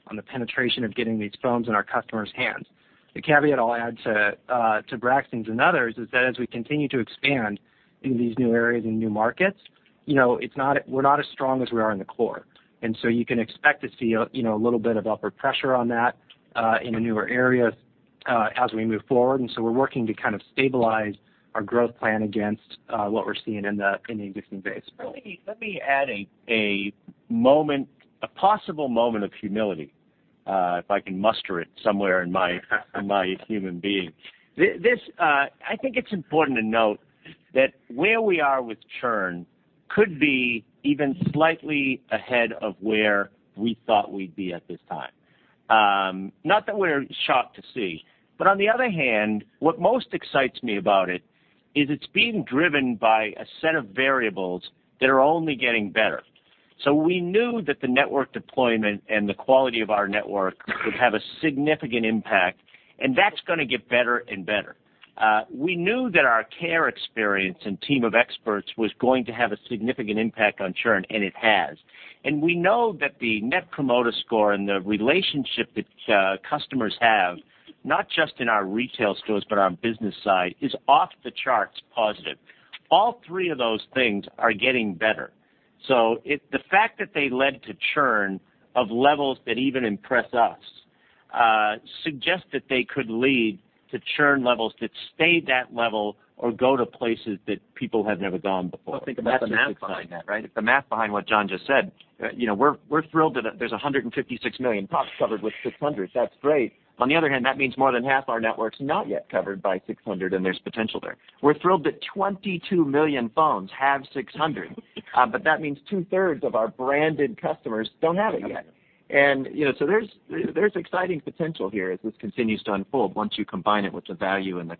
on the penetration of getting these phones in our customers' hands. The caveat I'll add to Braxton's and others is that as we continue to expand into these new areas and new markets, we're not as strong as we are in the core. You can expect to see a little bit of upward pressure on that in the newer areas as we move forward. We're working to stabilize our growth plan against what we're seeing in the existing base. Let me add a possible moment of humility, if I can muster it somewhere in my human being. I think it's important to note that where we are with churn could be even slightly ahead of where we thought we'd be at this time. On the other hand, what most excites me about it is it's being driven by a set of variables that are only getting better. We knew that the network deployment and the quality of our network would have a significant impact, and that's going to get better and better. We knew that our care experience and Team of Experts was going to have a significant impact on churn, and it has. We know that the Net Promoter Score and the relationship that customers have, not just in our retail stores, but our business side, is off the charts positive. All three of those things are getting better. The fact that they led to churn of levels that even impress us suggests that they could lead to churn levels that stay that level or go to places that people have never gone before. Well, think about the math behind that. The math behind what John just said, we're thrilled that there's 156 million pops covered with 600. That's great. On the other hand, that means more than half our network's not yet covered by 600, and there's potential there. We're thrilled that 22 million phones have 600, that means two-thirds of our branded customers don't have it yet. There's exciting potential here as this continues to unfold once you combine it with the value and the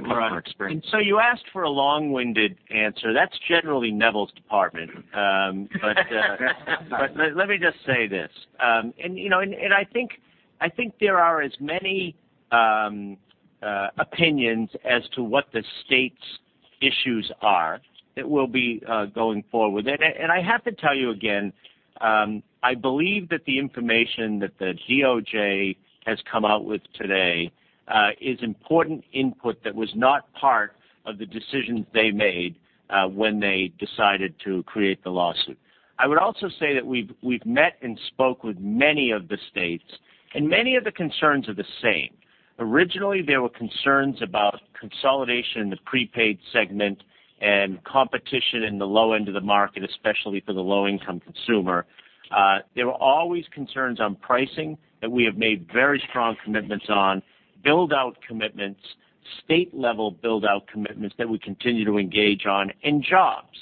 customer experience. You asked for a long-winded answer. That's generally Neville's department. Let me just say this. I think there are as many opinions as to what the state's issues are that will be going forward. I have to tell you again, I believe that the information that the DOJ has come out with today is important input that was not part of the decisions they made when they decided to create the lawsuit. I would also say that we've met and spoke with many of the states, and many of the concerns are the same. Originally, there were concerns about consolidation in the prepaid segment and competition in the low end of the market, especially for the low-income consumer. There were always concerns on pricing that we have made very strong commitments on, build-out commitments, state-level build-out commitments that we continue to engage on, and jobs,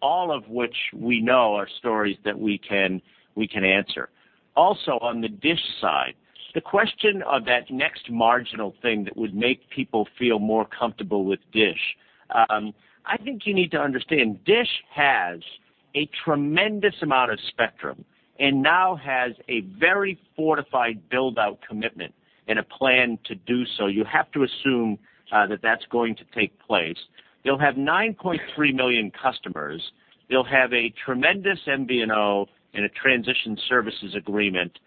all of which we know are stories that we can answer. On the DISH side, the question of that next marginal thing that would make people feel more comfortable with DISH, I think you need to understand, DISH has a tremendous amount of spectrum and now has a very fortified build-out commitment and a plan to do so. You have to assume that that's going to take place. They'll have 9.3 million customers. They'll have a tremendous MVNO and a transition services agreement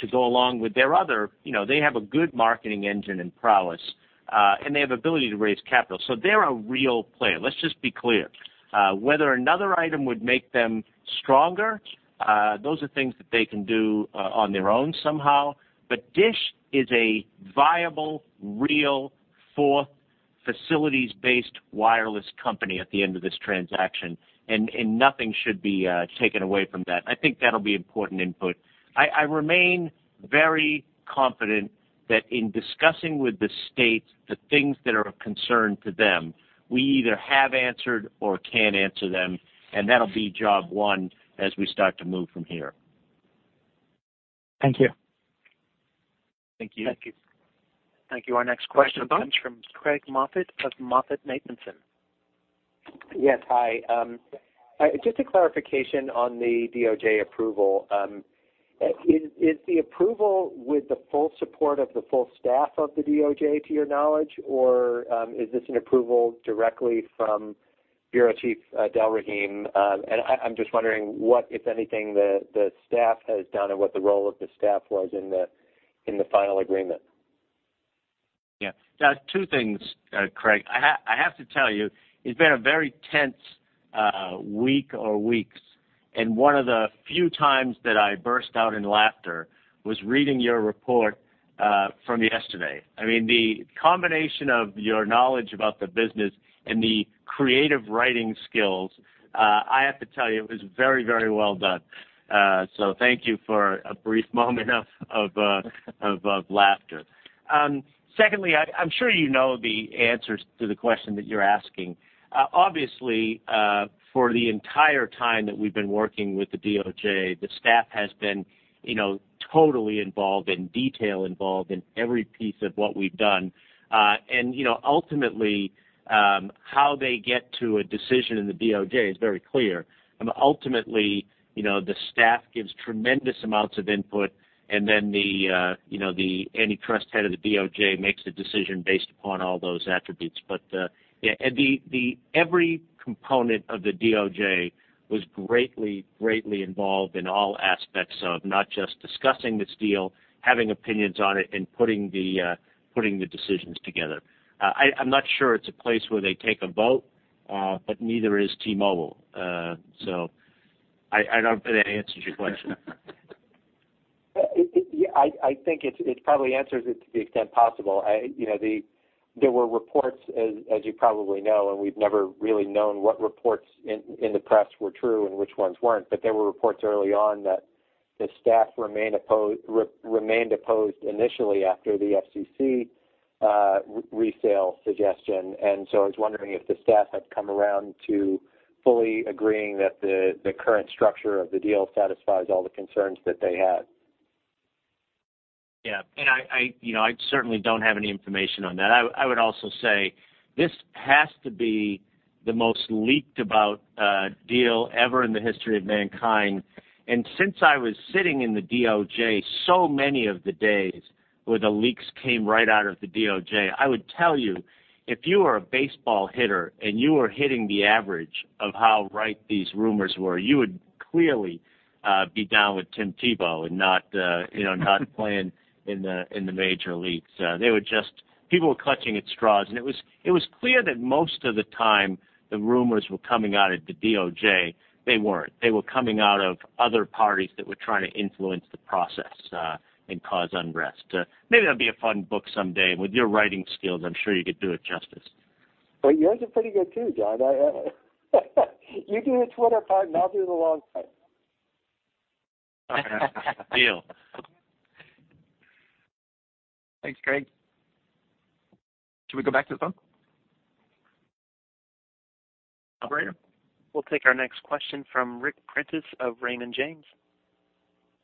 to go along with their good marketing engine and prowess, and they have ability to raise capital. They're a real player. Let's just be clear. Whether another item would make them stronger, those are things that they can do on their own somehow. DISH is a viable, real, fourth facilities-based wireless company at the end of this transaction, and nothing should be taken away from that. I think that'll be important input. I remain very confident that in discussing with the states the things that are of concern to them, we either have answered or can answer them, and that'll be job one as we start to move from here. Thank you. Thank you. Thank you. Thank you. Our next question comes from Craig Moffett of MoffettNathanson. Yes. Hi. Just a clarification on the DOJ approval. Is the approval with the full support of the full staff of the DOJ, to your knowledge, or is this an approval directly from Bureau Chief Delrahim? I'm just wondering what, if anything, the staff has done and what the role of the staff was in the final agreement. Two things, Craig. I have to tell you, it's been a very tense week or weeks, and one of the few times that I burst out in laughter was reading your report from yesterday. The combination of your knowledge about the business and the creative writing skills, I have to tell you, it was very well done. Thank you for a brief moment of laughter. Secondly, I'm sure you know the answers to the question that you're asking. Obviously, for the entire time that we've been working with the DOJ, the staff has been totally involved, in detail involved, in every piece of what we've done. Ultimately, how they get to a decision in the DOJ is very clear. Ultimately, the staff gives tremendous amounts of input, and then the antitrust head of the DOJ makes a decision based upon all those attributes. Every component of the DOJ was greatly involved in all aspects of not just discussing this deal, having opinions on it, and putting the decisions together. I'm not sure it's a place where they take a vote, but neither is T-Mobile. I don't know if that answers your question. I think it probably answers it to the extent possible. There were reports, as you probably know, and we've never really known what reports in the press were true and which ones weren't, but there were reports early on that the staff remained opposed initially after the FCC resale suggestion. I was wondering if the staff had come around to fully agreeing that the current structure of the deal satisfies all the concerns that they had. Yeah. I certainly don't have any information on that. I would also say this has to be the most leaked about deal ever in the history of mankind. Since I was sitting in the DOJ so many of the days where the leaks came right out of the DOJ, I would tell you, if you are a baseball hitter and you were hitting the average of how right these rumors were, you would clearly be down with Tim Tebow and not playing in the Major Leagues. People were clutching at straws, and it was clear that most of the time the rumors were coming out of the DOJ. They weren't. They were coming out of other parties that were trying to influence the process and cause unrest. Maybe that'd be a fun book someday. With your writing skills, I'm sure you could do it justice. Yours are pretty good, too, John. You do the Twitter part, and I'll do the long type. Deal. Thanks, Craig. Should we go back to the phone? Operator? We'll take our next question from Ric Prentiss of Raymond James.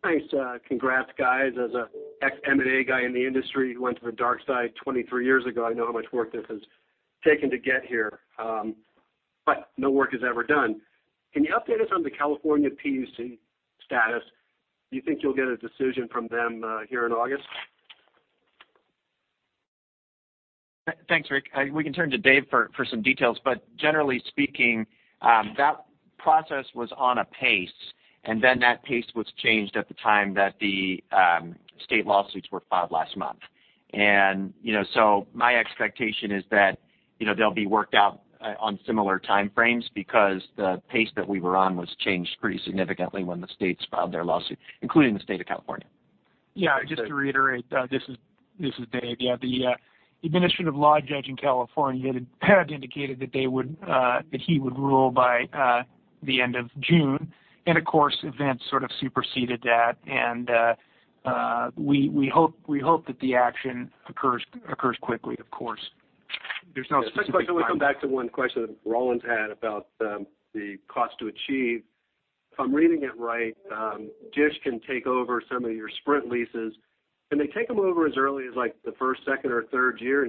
Thanks. Congrats, guys. As an ex M&A guy in the industry who went to the dark side 23 years ago, I know how much work this has taken to get here. No work is ever done. Can you update us on the California PUC status? Do you think you'll get a decision from them here in August? Thanks, Ric. We can turn to Dave for some details, but generally speaking, that process was on a pace, and then that pace was changed at the time that the state lawsuits were filed last month. My expectation is that they'll be worked out on similar time frames because the pace that we were on was changed pretty significantly when the states filed their lawsuit, including the state of California. Just to reiterate, this is Dave. The administrative law judge in California had indicated that he would rule by the end of June, and of course, events sort of superseded that, and we hope that the action occurs quickly, of course. There's no specific timeline. I just want to come back to one question that Rollins had about the cost to achieve. If I'm reading it right, DISH can take over some of your Sprint leases. Can they take them over as early as the first, second, or third year?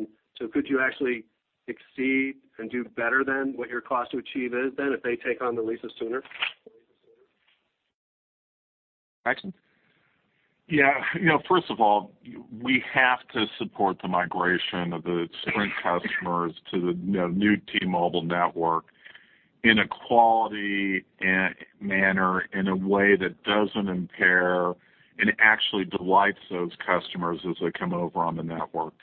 Could you actually exceed and do better than what your cost to achieve is then if they take on the leases sooner? Braxton? First of all, we have to support the migration of the Sprint customers to the new T-Mobile network in a quality manner, in a way that doesn't impair and actually delights those customers as they come over on the network.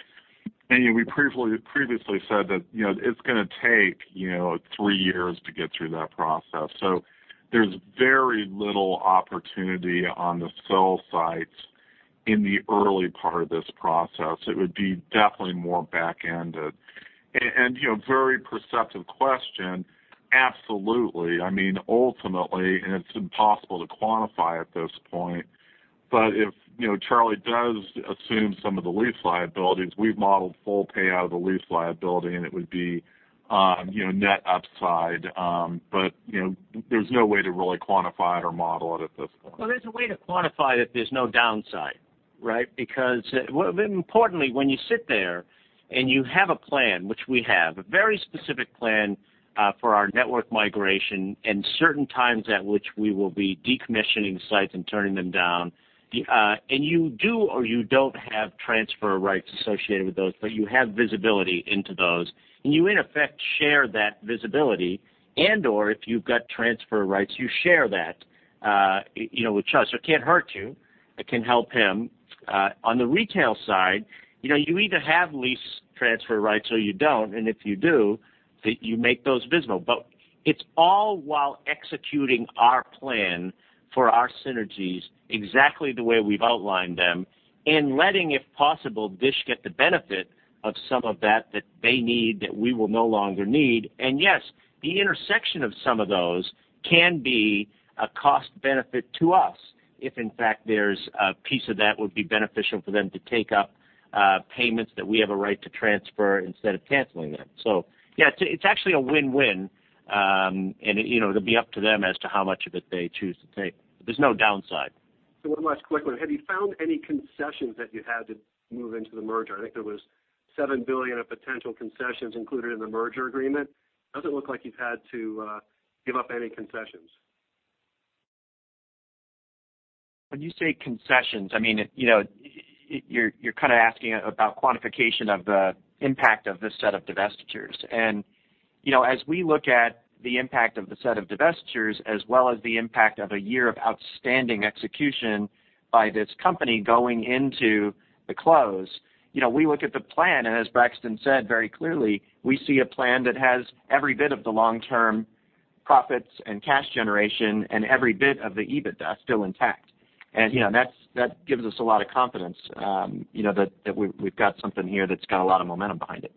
We previously said that it's going to take three years to get through that process. There's very little opportunity on the cell sites in the early part of this process. It would be definitely more back-ended. Very perceptive question. Absolutely. Ultimately, and it's impossible to quantify at this point, but if Charlie does assume some of the lease liabilities, we've modeled full pay out of the lease liability, and it would be net upside. There's no way to really quantify it or model it at this point. Well, there's a way to quantify that there's no downside. Right? Importantly, when you sit there and you have a plan, which we have, a very specific plan for our network migration and certain times at which we will be decommissioning sites and turning them down, and you do or you don't have transfer rights associated with those, but you have visibility into those, and you, in effect, share that visibility and/or if you've got transfer rights, you share that with trust. It can't hurt you. It can help him. On the retail side, you either have lease transfer rights or you don't, and if you do, that you make those visible. It's all while executing our plan for our synergies exactly the way we've outlined them and letting, if possible, DISH get the benefit of some of that that they need that we will no longer need. Yes, the intersection of some of those can be a cost benefit to us if, in fact, there's a piece of that would be beneficial for them to take up payments that we have a right to transfer instead of canceling them. Yeah, it's actually a win-win. It'll be up to them as to how much of it they choose to take. There's no downside. One last quick one. Have you found any concessions that you had to move into the merger? I think there was $7 billion of potential concessions included in the merger agreement. Doesn't look like you've had to give up any concessions. When you say concessions, you're kind of asking about quantification of the impact of this set of divestitures. As we look at the impact of the set of divestitures as well as the impact of a year of outstanding execution by this company going into the close, we look at the plan, and as Braxton said very clearly, we see a plan that has every bit of the long-term profits and cash generation and every bit of the EBITDA still intact. That gives us a lot of confidence that we've got something here that's got a lot of momentum behind it.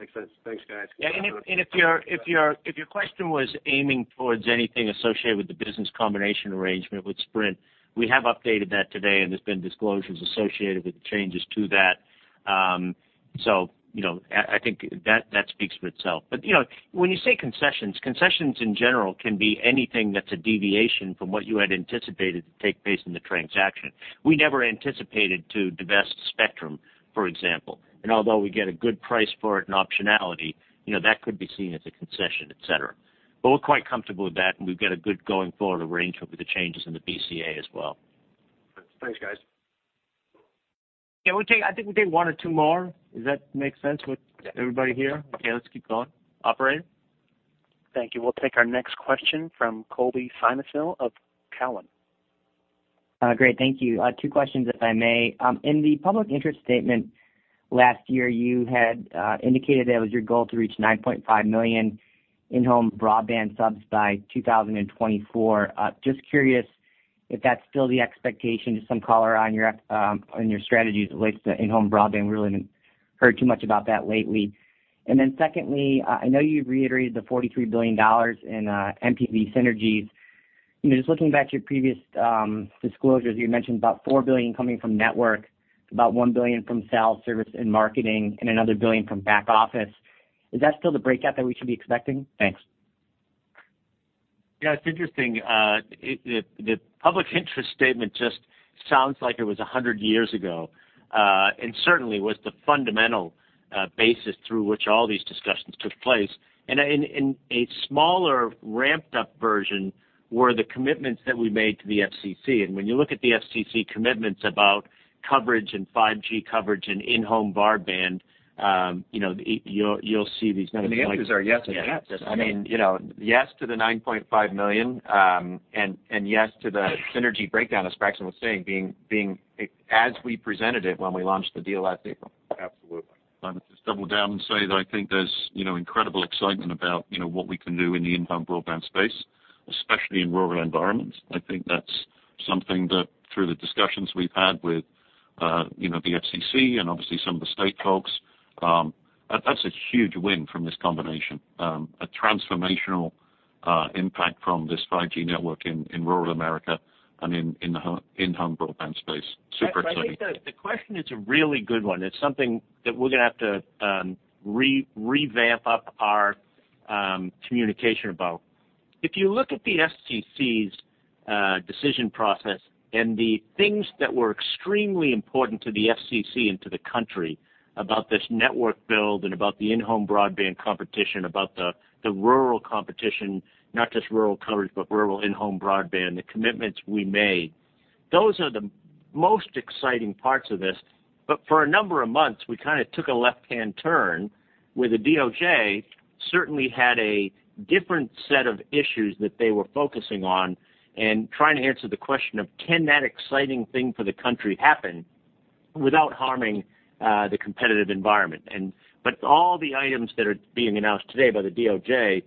Makes sense. Thanks, guys. If your question was aiming towards anything associated with the business combination arrangement with Sprint, we have updated that today, and there's been disclosures associated with the changes to that. I think that speaks for itself. When you say concessions in general can be anything that's a deviation from what you had anticipated to take place in the transaction. We never anticipated to divest spectrum, for example. Although we get a good price for it and optionality, that could be seen as a concession, et cetera. We're quite comfortable with that, and we've got a good going-forward arrangement with the changes in the BCA as well. Thanks, guys. Yeah, I think we'll take one or two more. Does that make sense with everybody here? Yeah. Okay, let's keep going. Operator? Thank you. We'll take our next question from Colby Synesael of Cowen. Great. Thank you. Two questions, if I may. In the public interest statement last year, you had indicated that it was your goal to reach 9.5 million in-home broadband subs by 2024. Just curious if that's still the expectation. Just some color on your strategies relates to in-home broadband. We really haven't heard too much about that lately. Secondly, I know you've reiterated the $43 billion in NPV synergies. Just looking back to your previous disclosures, you mentioned about $4 billion coming from network, about $1 billion from sales, service, and marketing, and another $1 billion from back office. Is that still the breakout that we should be expecting? Thanks. Yeah, it's interesting. The public interest statement just sounds like it was 100 years ago, and certainly was the fundamental basis through which all these discussions took place. A smaller ramped-up version were the commitments that we made to the FCC. When you look at the FCC commitments about coverage and 5G coverage and in-home broadband, you'll see these numbers- The answers are yes to that. Yes. Yes to the 9.5 million, and yes to the synergy breakdown, as Braxton was saying, being as we presented it when we launched the deal last April. Absolutely. If I may just double down and say that I think there's incredible excitement about what we can do in the in-home broadband space, especially in rural environments. I think that's something that through the discussions we've had with the FCC and obviously some of the state folks, that's a huge win from this combination. A transformational impact from this 5G network in rural America and in the in-home broadband space. Super exciting. I think the question is a really good one. It's something that we're going to have to revamp up our communication about. If you look at the FCC's decision process and the things that were extremely important to the FCC and to the country about this network build and about the in-home broadband competition, about the rural competition, not just rural coverage, but rural in-home broadband, the commitments we made, those are the most exciting parts of this. For a number of months, we kind of took a left-hand turn where the DOJ certainly had a different set of issues that they were focusing on and trying to answer the question of can that exciting thing for the country happen without harming the competitive environment? All the items that are being announced today by the DOJ,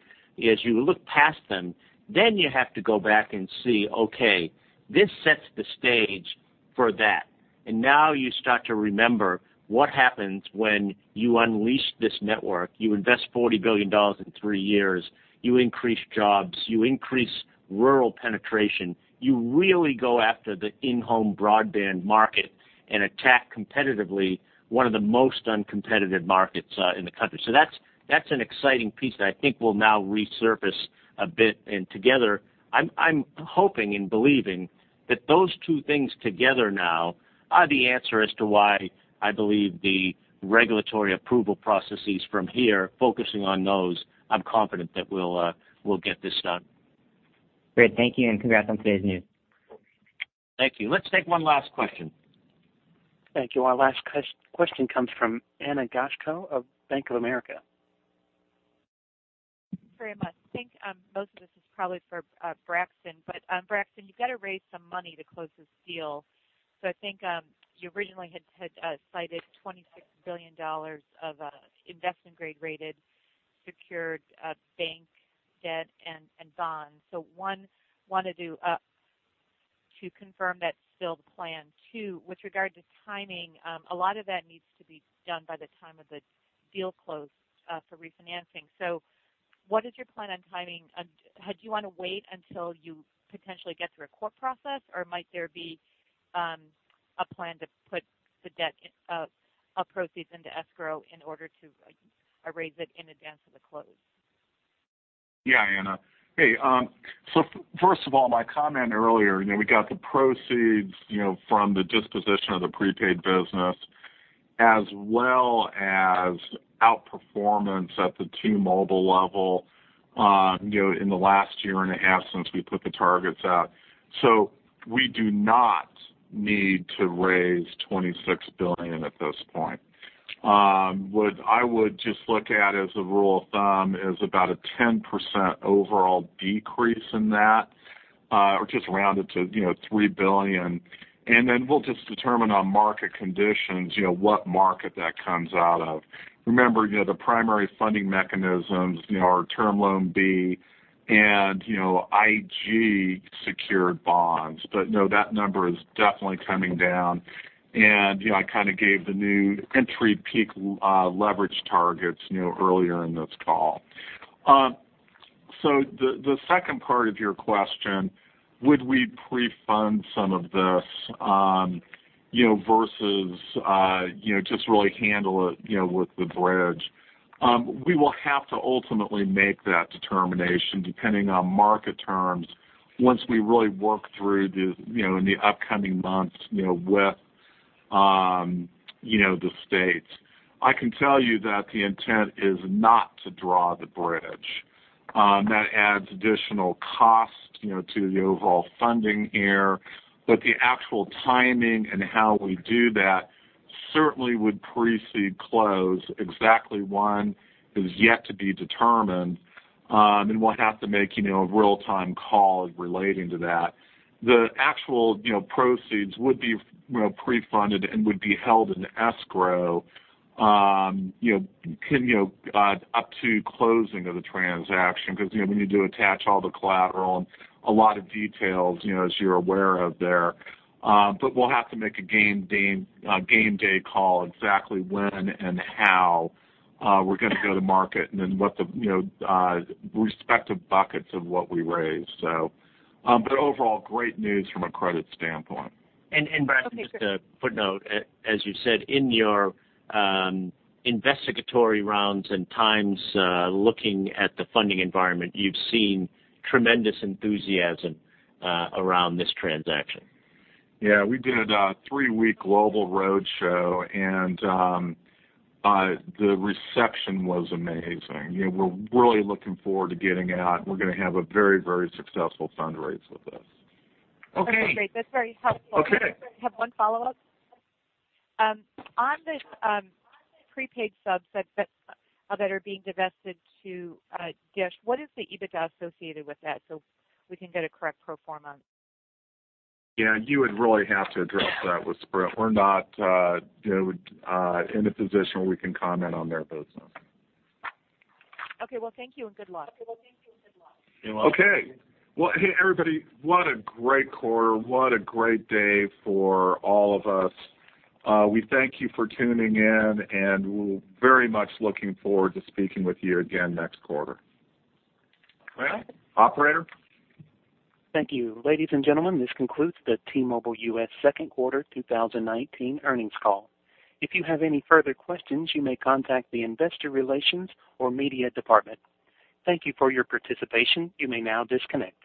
as you look past them, then you have to go back and see, okay, this sets the stage for that. Now you start to remember what happens when you unleash this network, you invest $40 billion in three years, you increase jobs, you increase rural penetration, you really go after the in-home broadband market and attack competitively one of the most uncompetitive markets in the country. That's an exciting piece that I think will now resurface a bit and together, I'm hoping and believing that those two things together now are the answer as to why I believe the regulatory approval processes from here, focusing on those, I'm confident that we'll get this done. Great. Thank you, and congrats on today's news. Thank you. Let's take one last question. Thank you. Our last question comes from Ana Goshko of Bank of America. Very much. I think most of this is probably for Braxton. Braxton, you've got to raise some money to close this deal. I think you originally had cited $26 billion of investment-grade rated, secured bank debt and bonds. One, wanted to confirm that's still the plan. Two, with regard to timing, a lot of that needs to be done by the time of the deal close for refinancing. What is your plan on timing? Do you want to wait until you potentially get through a court process, or might there be a plan to put the debt of proceeds into escrow in order to raise it in advance of the close? Yeah, Ana. Hey, first of all, my comment earlier, we got the proceeds from the disposition of the prepaid business as well as outperformance at the T-Mobile level in the last year and a half since we put the targets out. We do not need to raise $26 billion at this point. What I would just look at as a rule of thumb is about a 10% overall decrease in that, or just round it to $3 billion. Then we'll just determine on market conditions, what market that comes out of. Remember, the primary funding mechanisms are Term Loan B and IG secured bonds. No, that number is definitely coming down. I gave the new entry peak leverage targets earlier in this call. The second part of your question, would we pre-fund some of this versus just really handle it with the bridge? We will have to ultimately make that determination depending on market terms once we really work through in the upcoming months, with the states. I can tell you that the intent is not to draw the bridge. That adds additional cost to the overall funding here, but the actual timing and how we do that certainly would precede close exactly when is yet to be determined. We'll have to make a real-time call relating to that. The actual proceeds would be pre-funded and would be held in escrow up to closing of the transaction because we need to attach all the collateral and a lot of details, as you're aware of there. We'll have to make a game day call exactly when and how we're going to go to market, and then what the respective buckets of what we raise. Overall, great news from a credit standpoint. Braxton, just a footnote. As you said, in your investigatory rounds and times looking at the funding environment, you've seen tremendous enthusiasm around this transaction. Yeah, we did a three-week global roadshow, and the reception was amazing. We're really looking forward to getting out, and we're going to have a very, very successful fundraise with this. Okay, great. That's very helpful. Okay. I have one follow-up. On the prepaid subset that are being divested to DISH, what is the EBITDA associated with that so we can get a correct pro forma? Yeah, you would really have to address that with Sprint. We're not in a position where we can comment on their business. Okay. Well, thank you, and good luck. Okay. Well, hey everybody, what a great quarter. What a great day for all of us. We thank you for tuning in, and we're very much looking forward to speaking with you again next quarter. Well. Operator? Thank you. Ladies and gentlemen, this concludes the T-Mobile US second quarter 2019 earnings call. If you have any further questions, you may contact the investor relations or media department. Thank you for your participation. You may now disconnect.